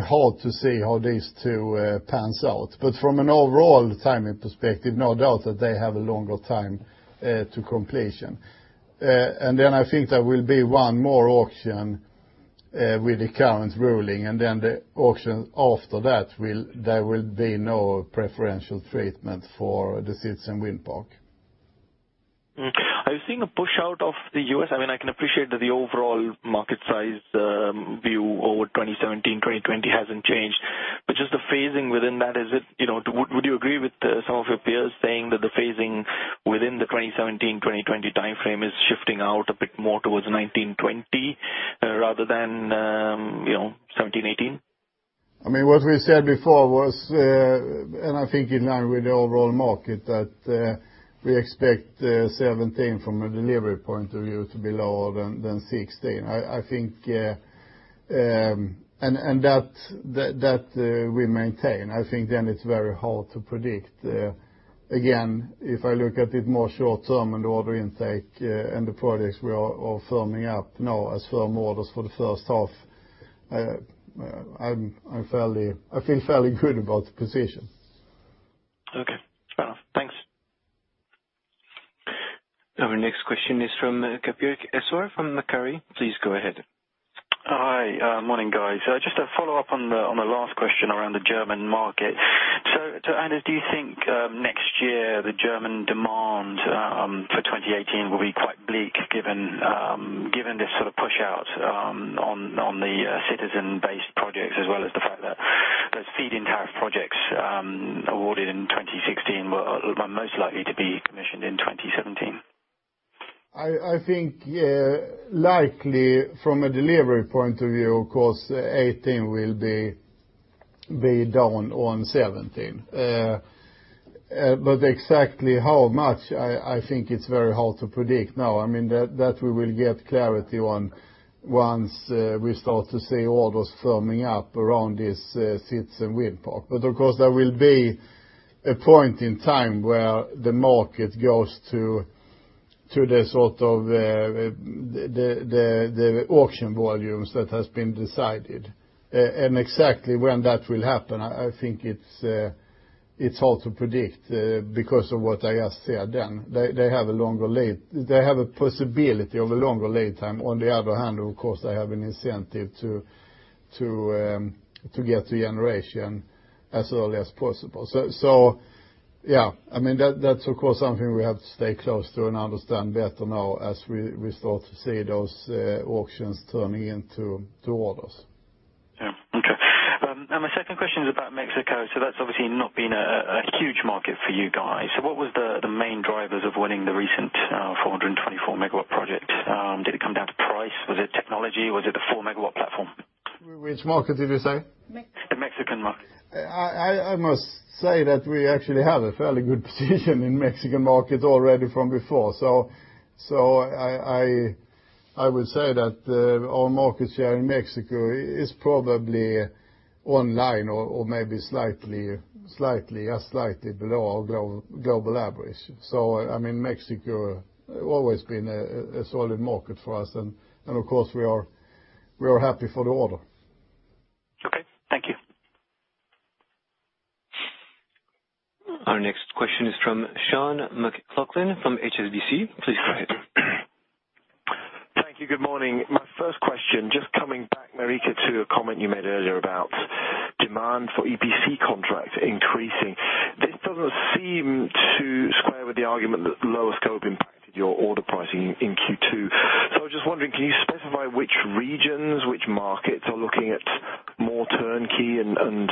hard to say how these two pans out. From an overall timing perspective, no doubt that they have a longer time to completion. I think there will be one more auction with the current ruling, and the auction after that, there will be no preferential treatment for the citizen wind park. Are you seeing a push out of the U.S.? I can appreciate that the overall market size view over 2017, 2020 hasn't changed, but just the phasing within that, would you agree with some of your peers saying that the phasing within the 2017, 2020 timeframe is shifting out a bit more towards 2019, 2020 rather than 2017, 2018? What we said before was, I think in line with the overall market, that we expect 2017 from a delivery point of view to be lower than 2016. That we maintain. I think then it's very hard to predict. Again, if I look at it more short term and order intake and the projects we are firming up now as firm orders for the first half, I feel fairly good about the position. Okay. Fair enough. Thanks. Our next question is from Kapil Singh from Macquarie. Please go ahead. Hi. Morning, guys. Just a follow-up on the last question around the German market. Anders, do you think next year, the German demand for 2018 will be quite bleak given this sort of push out on the citizen-based projects, as well as the fact that those feed-in tariff projects awarded in 2016 were most likely to be commissioned in 2017? I think likely from a delivery point of view, of course, 2018 will be down on 2017. Exactly how much, I think it's very hard to predict now. That, we will get clarity on once we start to see orders firming up around this citizen wind park. Of course, there will be a point in time where the market goes to the sort of auction volumes that has been decided. Exactly when that will happen, I think it's hard to predict because of what I just said then. They have a possibility of a longer lead time. On the other hand, of course, they have an incentive to get to generation as early as possible. Yeah. That's of course, something we have to stay close to and understand better now as we start to see those auctions turning into orders. Yeah. Okay. My second question is about Mexico. That's obviously not been a huge market for you guys. What was the main drivers of winning the recent 424-megawatt project? Did it come down to price? Was it technology? Was it the four-megawatt platform? Which market did you say? The Mexican market. I must say that we actually have a fairly good position in Mexican market already from before. I would say that our market share in Mexico is probably in line or maybe slightly below our global average. Mexico always been a solid market for us and of course, we are happy for the order. Our next question is from Sean McLoughlin from HSBC. Please go ahead. Thank you. Good morning. My first question, just coming back, Marika, to a comment you made earlier about demand for EPC contracts increasing. This doesn't seem to square with the argument that lower scope impacted your order pricing in Q2. I was just wondering, can you specify which regions, which markets are looking at more turnkey, and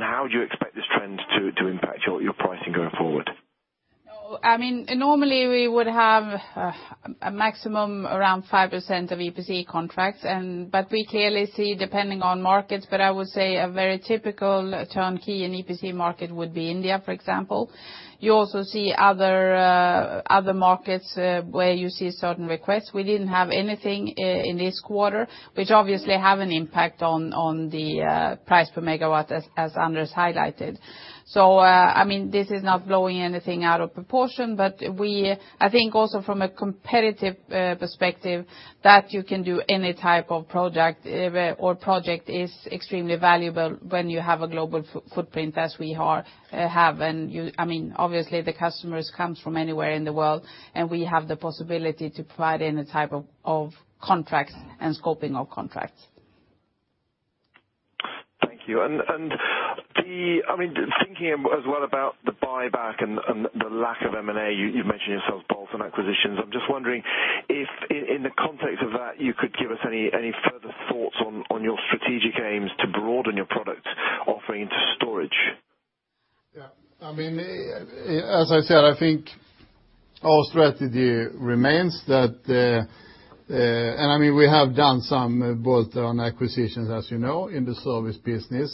how do you expect this trend to impact your pricing going forward? Normally we would have a maximum around 5% of EPC contracts. We clearly see depending on markets, but I would say a very typical turnkey and EPC market would be India, for example. You also see other markets where you see certain requests. We didn't have anything in this quarter, which obviously have an impact on the price per megawatt, as Anders highlighted. This is not blowing anything out of proportion, but I think also from a competitive perspective, that you can do any type of project or project is extremely valuable when you have a global footprint as we have. Obviously, the customers comes from anywhere in the world, we have the possibility to provide any type of contracts and scoping of contracts. Thank you. Thinking as well about the buyback and the lack of M&A, you've mentioned yourself bolt-on acquisitions. I'm just wondering if in the context of that, you could give us any further thoughts on your strategic aims to broaden your product offering to storage. Yeah. As I said, I think our strategy remains that we have done some bolt-on acquisitions, as you know, in the service business.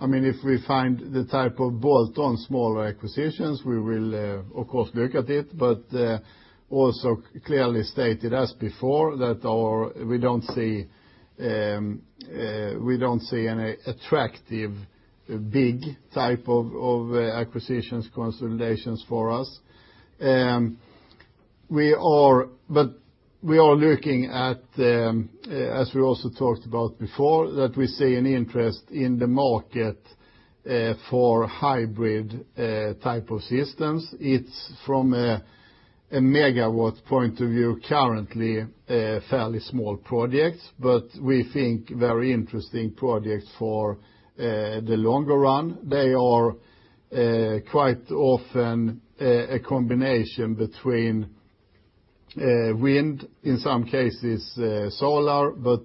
If we find the type of bolt-on smaller acquisitions, we will of course look at it. Also clearly stated as before that we don't see any attractive, big type of acquisitions consolidations for us. We are looking at, as we also talked about before, that we see an interest in the market for hybrid type of systems. It's from a megawatt point of view, currently, fairly small projects, but we think very interesting projects for the longer run. They are quite often a combination between wind, in some cases solar, but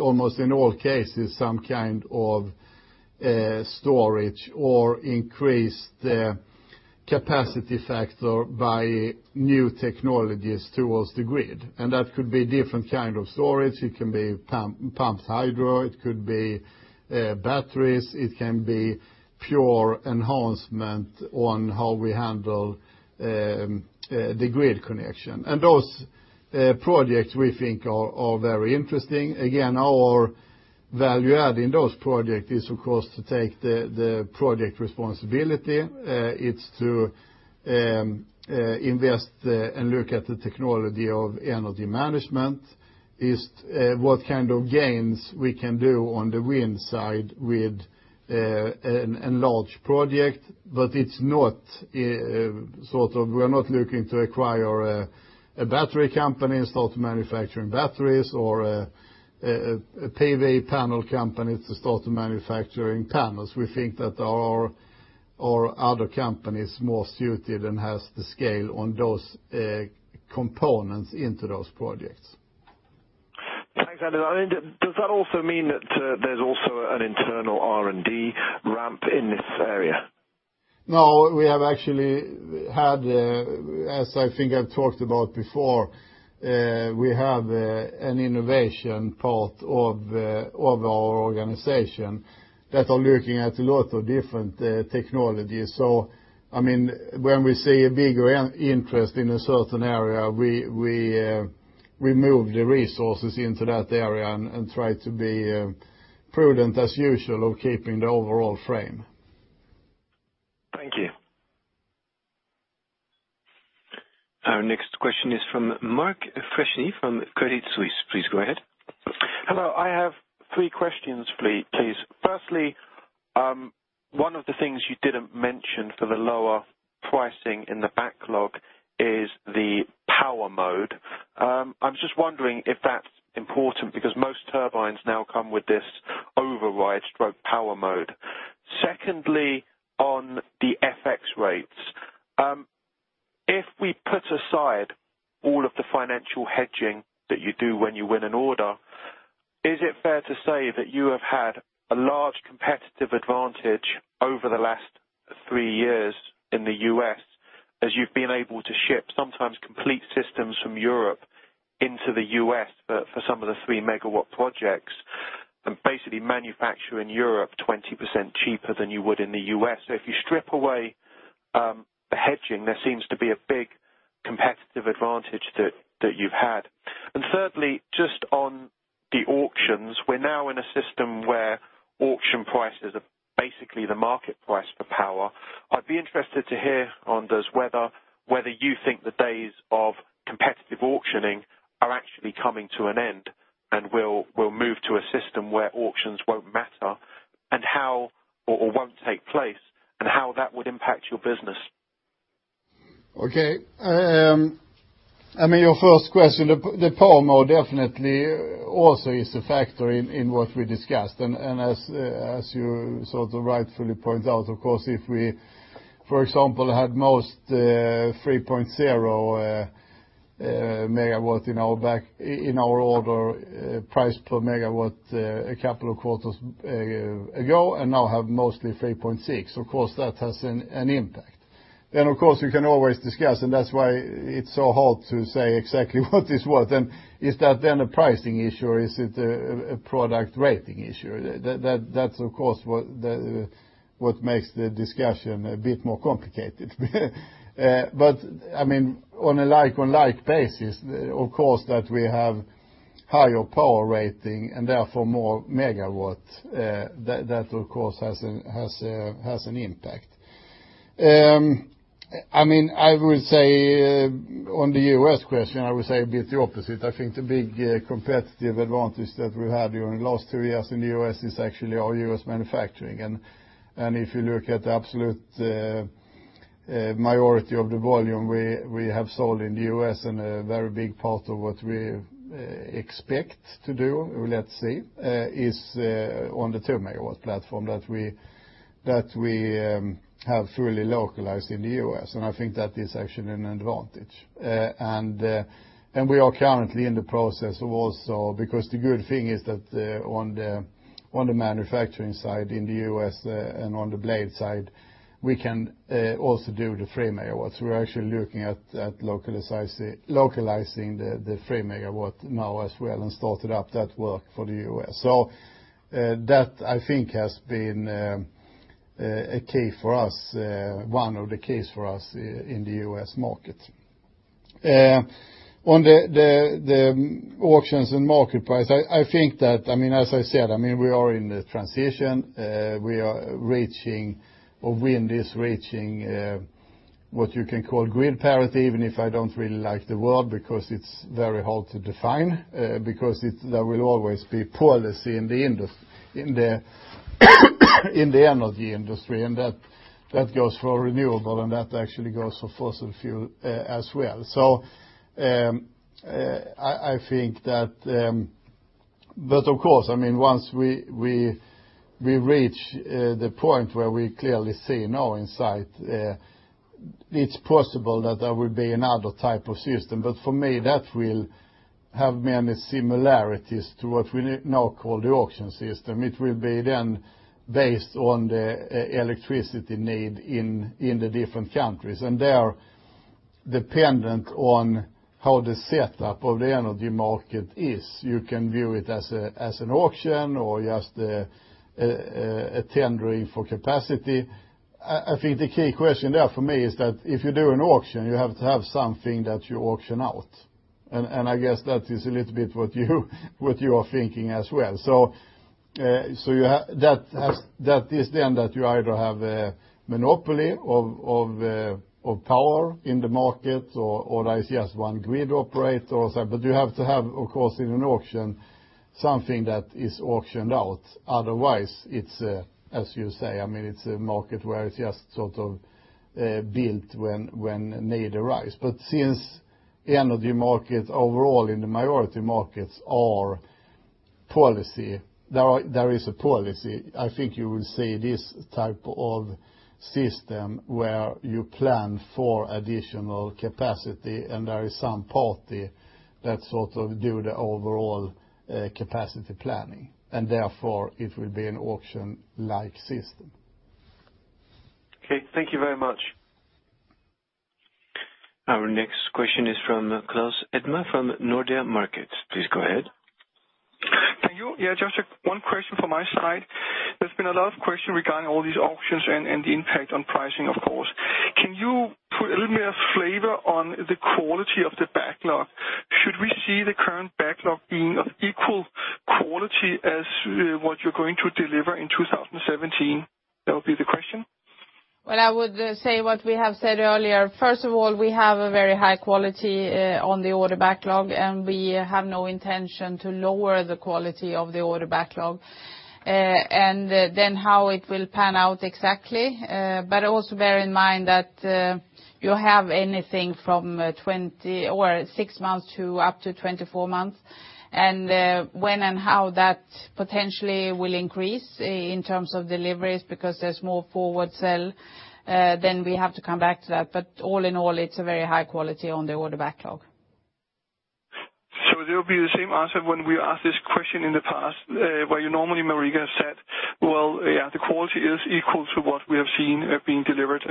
almost in all cases, some kind of storage or increased capacity factor by new technologies towards the grid. That could be different kind of storage. It can be pumped hydro, it could be batteries, it can be pure enhancement on how we handle the grid connection. Those projects we think are all very interesting. Again, our value add in those project is, of course, to take the project responsibility. It's to invest and look at the technology of energy management, is what kind of gains we can do on the wind side with an enlarged project. We're not looking to acquire a battery company and start manufacturing batteries or a PV panel company to start manufacturing panels. We think that our other company is more suited and has the scale on those components into those projects. Thanks, Anders. Does that also mean that there's also an internal R&D ramp in this area? No, as I think I've talked about before, we have an innovation part of our organization that are looking at a lot of different technologies. When we see a bigger interest in a certain area, we move the resources into that area and try to be prudent as usual of keeping the overall frame. Thank you. Our next question is from Mark Freshney from Credit Suisse. Please go ahead. Hello. I have three questions for you, please. Firstly, one of the things you didn't mention for the lower pricing in the backlog is the Power Mode. I'm just wondering if that's important because most turbines now come with this Power Mode. Secondly, on the FX rates. If we put aside all of the financial hedging that you do when you win an order, is it fair to say that you have had a large competitive advantage over the last three years in the U.S., as you've been able to ship sometimes complete systems from Europe into the U.S. for some of the three-megawatt projects, and basically manufacture in Europe 20% cheaper than you would in the U.S.? If you strip away the hedging, there seems to be a big competitive advantage that you've had. Thirdly, just on the auctions, we're now in a system where auction prices are basically the market price for power. I'd be interested to hear, Anders, whether you think the days of competitive auctioning Be coming to an end, and we'll move to a system where auctions won't matter or won't take place, and how that would impact your business. Okay. Your first question, the Power Mode definitely also is a factor in what we discussed. As you rightfully point out, of course, if we, for example, had most 3.0 megawatts in our order price per megawatt a couple of quarters ago and now have mostly 3.6, of course that has an impact. Of course, you can always discuss, and that's why it's so hard to say exactly what this was. Is that then a pricing issue or is it a product rating issue? That's of course what makes the discussion a bit more complicated. On a like-on-like basis, of course that we have higher power rating and therefore more megawatts. That of course has an impact. I will say on the U.S. question, I would say a bit the opposite. I think the big competitive advantage that we had during the last two years in the U.S. is actually our U.S. manufacturing. If you look at the absolute majority of the volume we have sold in the U.S. and a very big part of what we expect to do, well, let's see, is on the two megawatt platform that we have fully localized in the U.S. I think that is actually an advantage. We are currently in the process of also, because the good thing is that on the manufacturing side in the U.S. and on the blade side, we can also do the three megawatts. We're actually looking at localizing the three megawatt now as well, and started up that work for the U.S. That I think has been one of the keys for us in the U.S. market. On the auctions and market price, as I said, we are in the transition. Wind is reaching what you can call grid parity, even if I don't really like the word, because it's very hard to define, because there will always be policy in the energy industry, and that goes for renewable, and that actually goes for fossil fuel as well. Of course, once we reach the point where we clearly see no insight, it's possible that there will be another type of system. For me, that will have many similarities to what we now call the auction system. It will be then based on the electricity need in the different countries, and they are dependent on how the setup of the energy market is. You can view it as an auction or just a tendering for capacity. I think the key question there for me is that if you do an auction, you have to have something that you auction out. I guess that is a little bit what you are thinking as well. That is then that you either have a monopoly of power in the market or there is just one grid operator or something. You have to have, of course, in an auction, something that is auctioned out. Otherwise, as you say, it's a market where it's just sort of built when need arise. Since energy markets overall in the minority markets are policy, there is a policy, I think you will see this type of system where you plan for additional capacity, and there is some party that sort of do the overall capacity planning, and therefore it will be an auction-like system. Okay. Thank you very much. Our next question is from Claus Almer from Nordea Markets. Please go ahead. Yeah, just one question from my side. There has been a lot of question regarding all these auctions and the impact on pricing, of course. Can you put a little bit of flavor on the quality of the backlog? Should we see the current backlog being of equal quality as what you are going to deliver in 2017? That would be the question. Well, I would say what we have said earlier. First of all, we have a very high quality on the order backlog, and we have no intention to lower the quality of the order backlog. How it will pan out exactly. Also bear in mind that you have anything from six months to up to 24 months, and when and how that potentially will increase in terms of deliveries because there is more forward sell, then we have to come back to that. All in all, it is a very high quality on the order backlog. That would be the same answer when we asked this question in the past, where you normally, Marika, said, "Well, yeah, the quality is equal to what we have seen being delivered.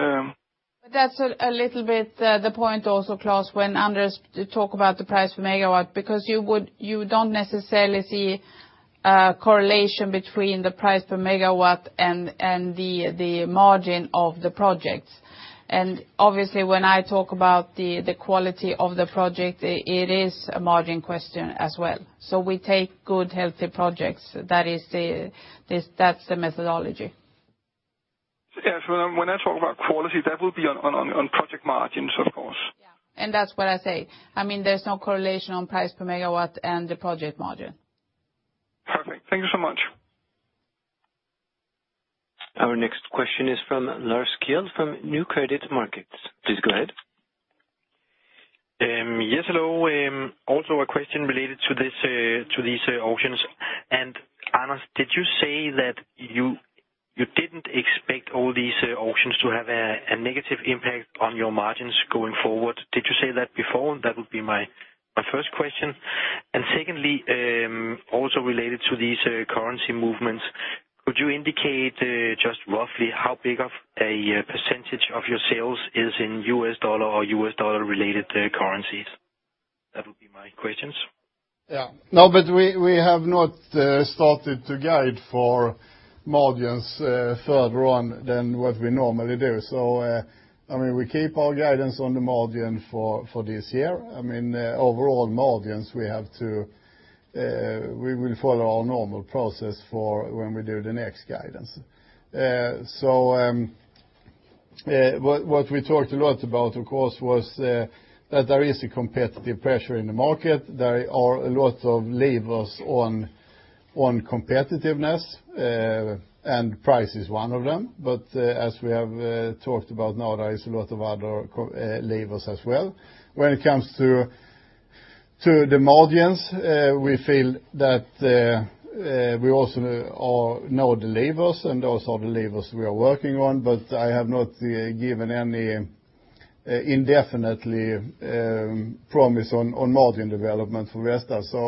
That's a little bit the point also, Claus, when Anders talk about the price per megawatt, because you don't necessarily see a correlation between the price per megawatt and the margin of the projects. Obviously, when I talk about the quality of the project, it is a margin question as well. We take good, healthy projects. That's the methodology. When I talk about quality, that will be on project margins, of course. Yeah, that's what I say. There's no correlation on price per megawatt and the project margin. Perfect. Thank you so much. Our next question is from Lars Kjell from Nordea Credit Markets. Please go ahead. Yes, hello. Also a question related to these auctions. Anders, did you say that you didn't expect all these auctions to have a negative impact on your margins going forward? Did you say that before? That would be my first question. Secondly, also related to these currency movements, could you indicate just roughly how big of a percentage of your sales is in US dollar or US dollar-related currencies? That would be my questions. Yeah. No, we have not started to guide for margins further on than what we normally do. We keep our guidance on the margin for this year. Overall margins, we will follow our normal process for when we do the next guidance. What we talked a lot about, of course, was that there is a competitive pressure in the market. There are a lot of levers on competitiveness, and price is one of them. As we have talked about, now there is a lot of other levers as well. When it comes to the margins, we feel that we also know the levers, and those are the levers we are working on. I have not given any indefinitely promise on margin development for Vestas. We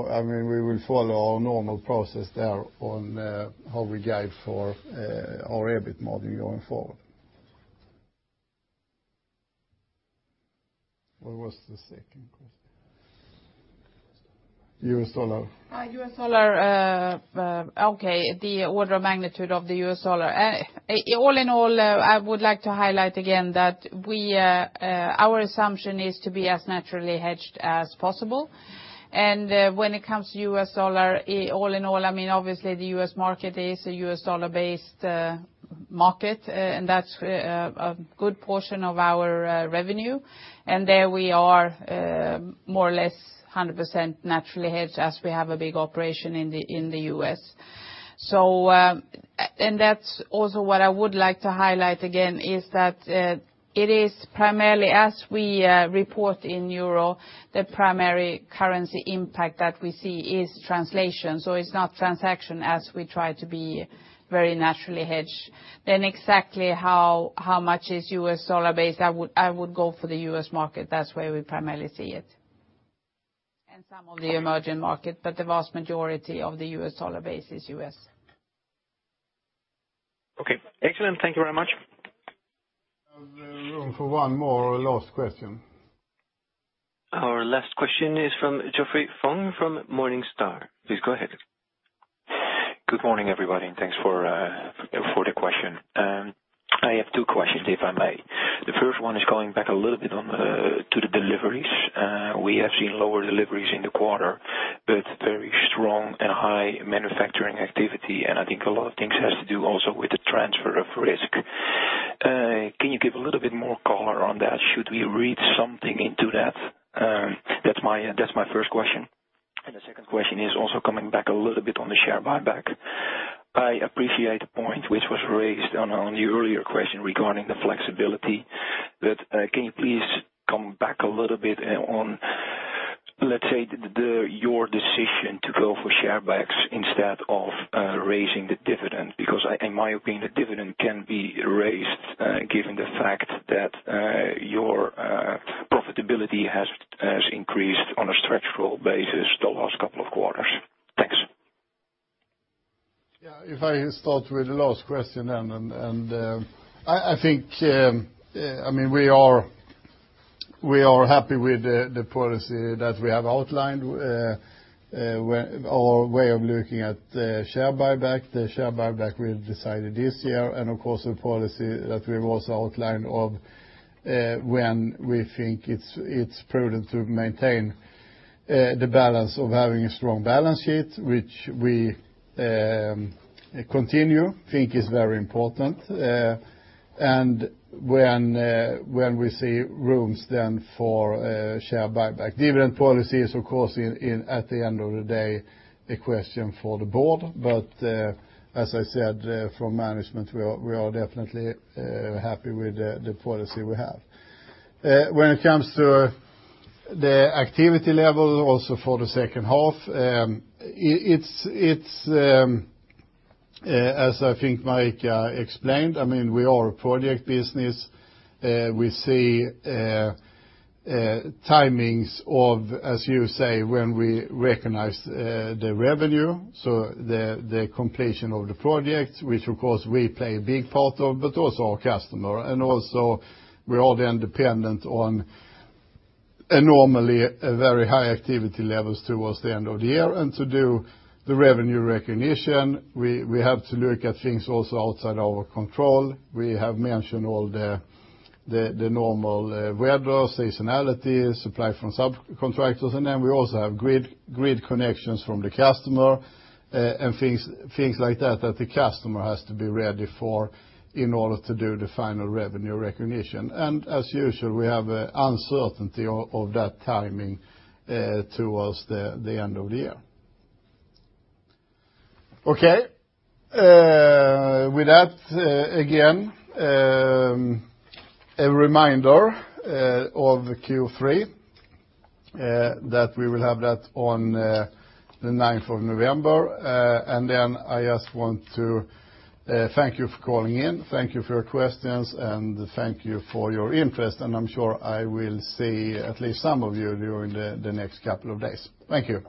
will follow our normal process there on how we guide for our EBIT margin going forward. What was the second question? US dollar. U.S. dollar. Okay. The order of magnitude of the U.S. dollar. I would like to highlight again that our assumption is to be as naturally hedged as possible. When it comes to U.S. dollar, obviously the U.S. market is a U.S. dollar-based market, and that's a good portion of our revenue. There we are more or less 100% naturally hedged as we have a big operation in the U.S. That's also what I would like to highlight again, is that it is primarily as we report in EUR, the primary currency impact that we see is translation. It's not transaction as we try to be very naturally hedged. Exactly how much is U.S. dollar-based, I would go for the U.S. market. That's where we primarily see it. Some of the emerging market, but the vast majority of the U.S. dollar base is U.S. Okay, excellent. Thank you very much. There's room for one more last question. Our last question is from Geoffrey Fong from Morningstar. Please go ahead. Good morning, everybody, thanks for the question. I have two questions, if I may. The first one is going back a little bit to the deliveries. We have seen lower deliveries in the quarter, but very strong and high manufacturing activity, I think a lot of things has to do also with the transfer of risk. Can you give a little bit more color on that? Should we read something into that? That's my first question. The second question is also coming back a little bit on the share buyback. I appreciate the point which was raised on the earlier question regarding the flexibility, can you please come back a little bit on, let's say, your decision to go for share buybacks instead of raising the dividend? In my opinion, the dividend can be raised, given the fact that your profitability has increased on a structural basis the last couple of quarters. Thanks. If I start with the last question then, I think we are happy with the policy that we have outlined, our way of looking at the share buyback, the share buyback we've decided this year, of course, the policy that we've also outlined of when we think it's prudent to maintain the balance of having a strong balance sheet, which we continue, think is very important. When we see rooms then for share buyback. Dividend policy is, of course, at the end of the day, a question for the board. As I said, from management, we are definitely happy with the policy we have. When it comes to the activity level also for the second half, it's as I think Marika explained, we are a project business. We see timings of, as you say, when we recognize the revenue, so the completion of the project, which of course we play a big part of, but also our customer, also we are then dependent on enormously very high activity levels towards the end of the year. To do the revenue recognition, we have to look at things also outside our control. We have mentioned all the normal weather, seasonality, supply from subcontractors, we also have grid connections from the customer and things like that the customer has to be ready for in order to do the final revenue recognition. As usual, we have uncertainty of that timing towards the end of the year. Okay. With that, again, a reminder of the Q3, that we will have that on the 9th of November. I just want to thank you for calling in, thank you for your questions, and thank you for your interest, and I'm sure I will see at least some of you during the next couple of days. Thank you.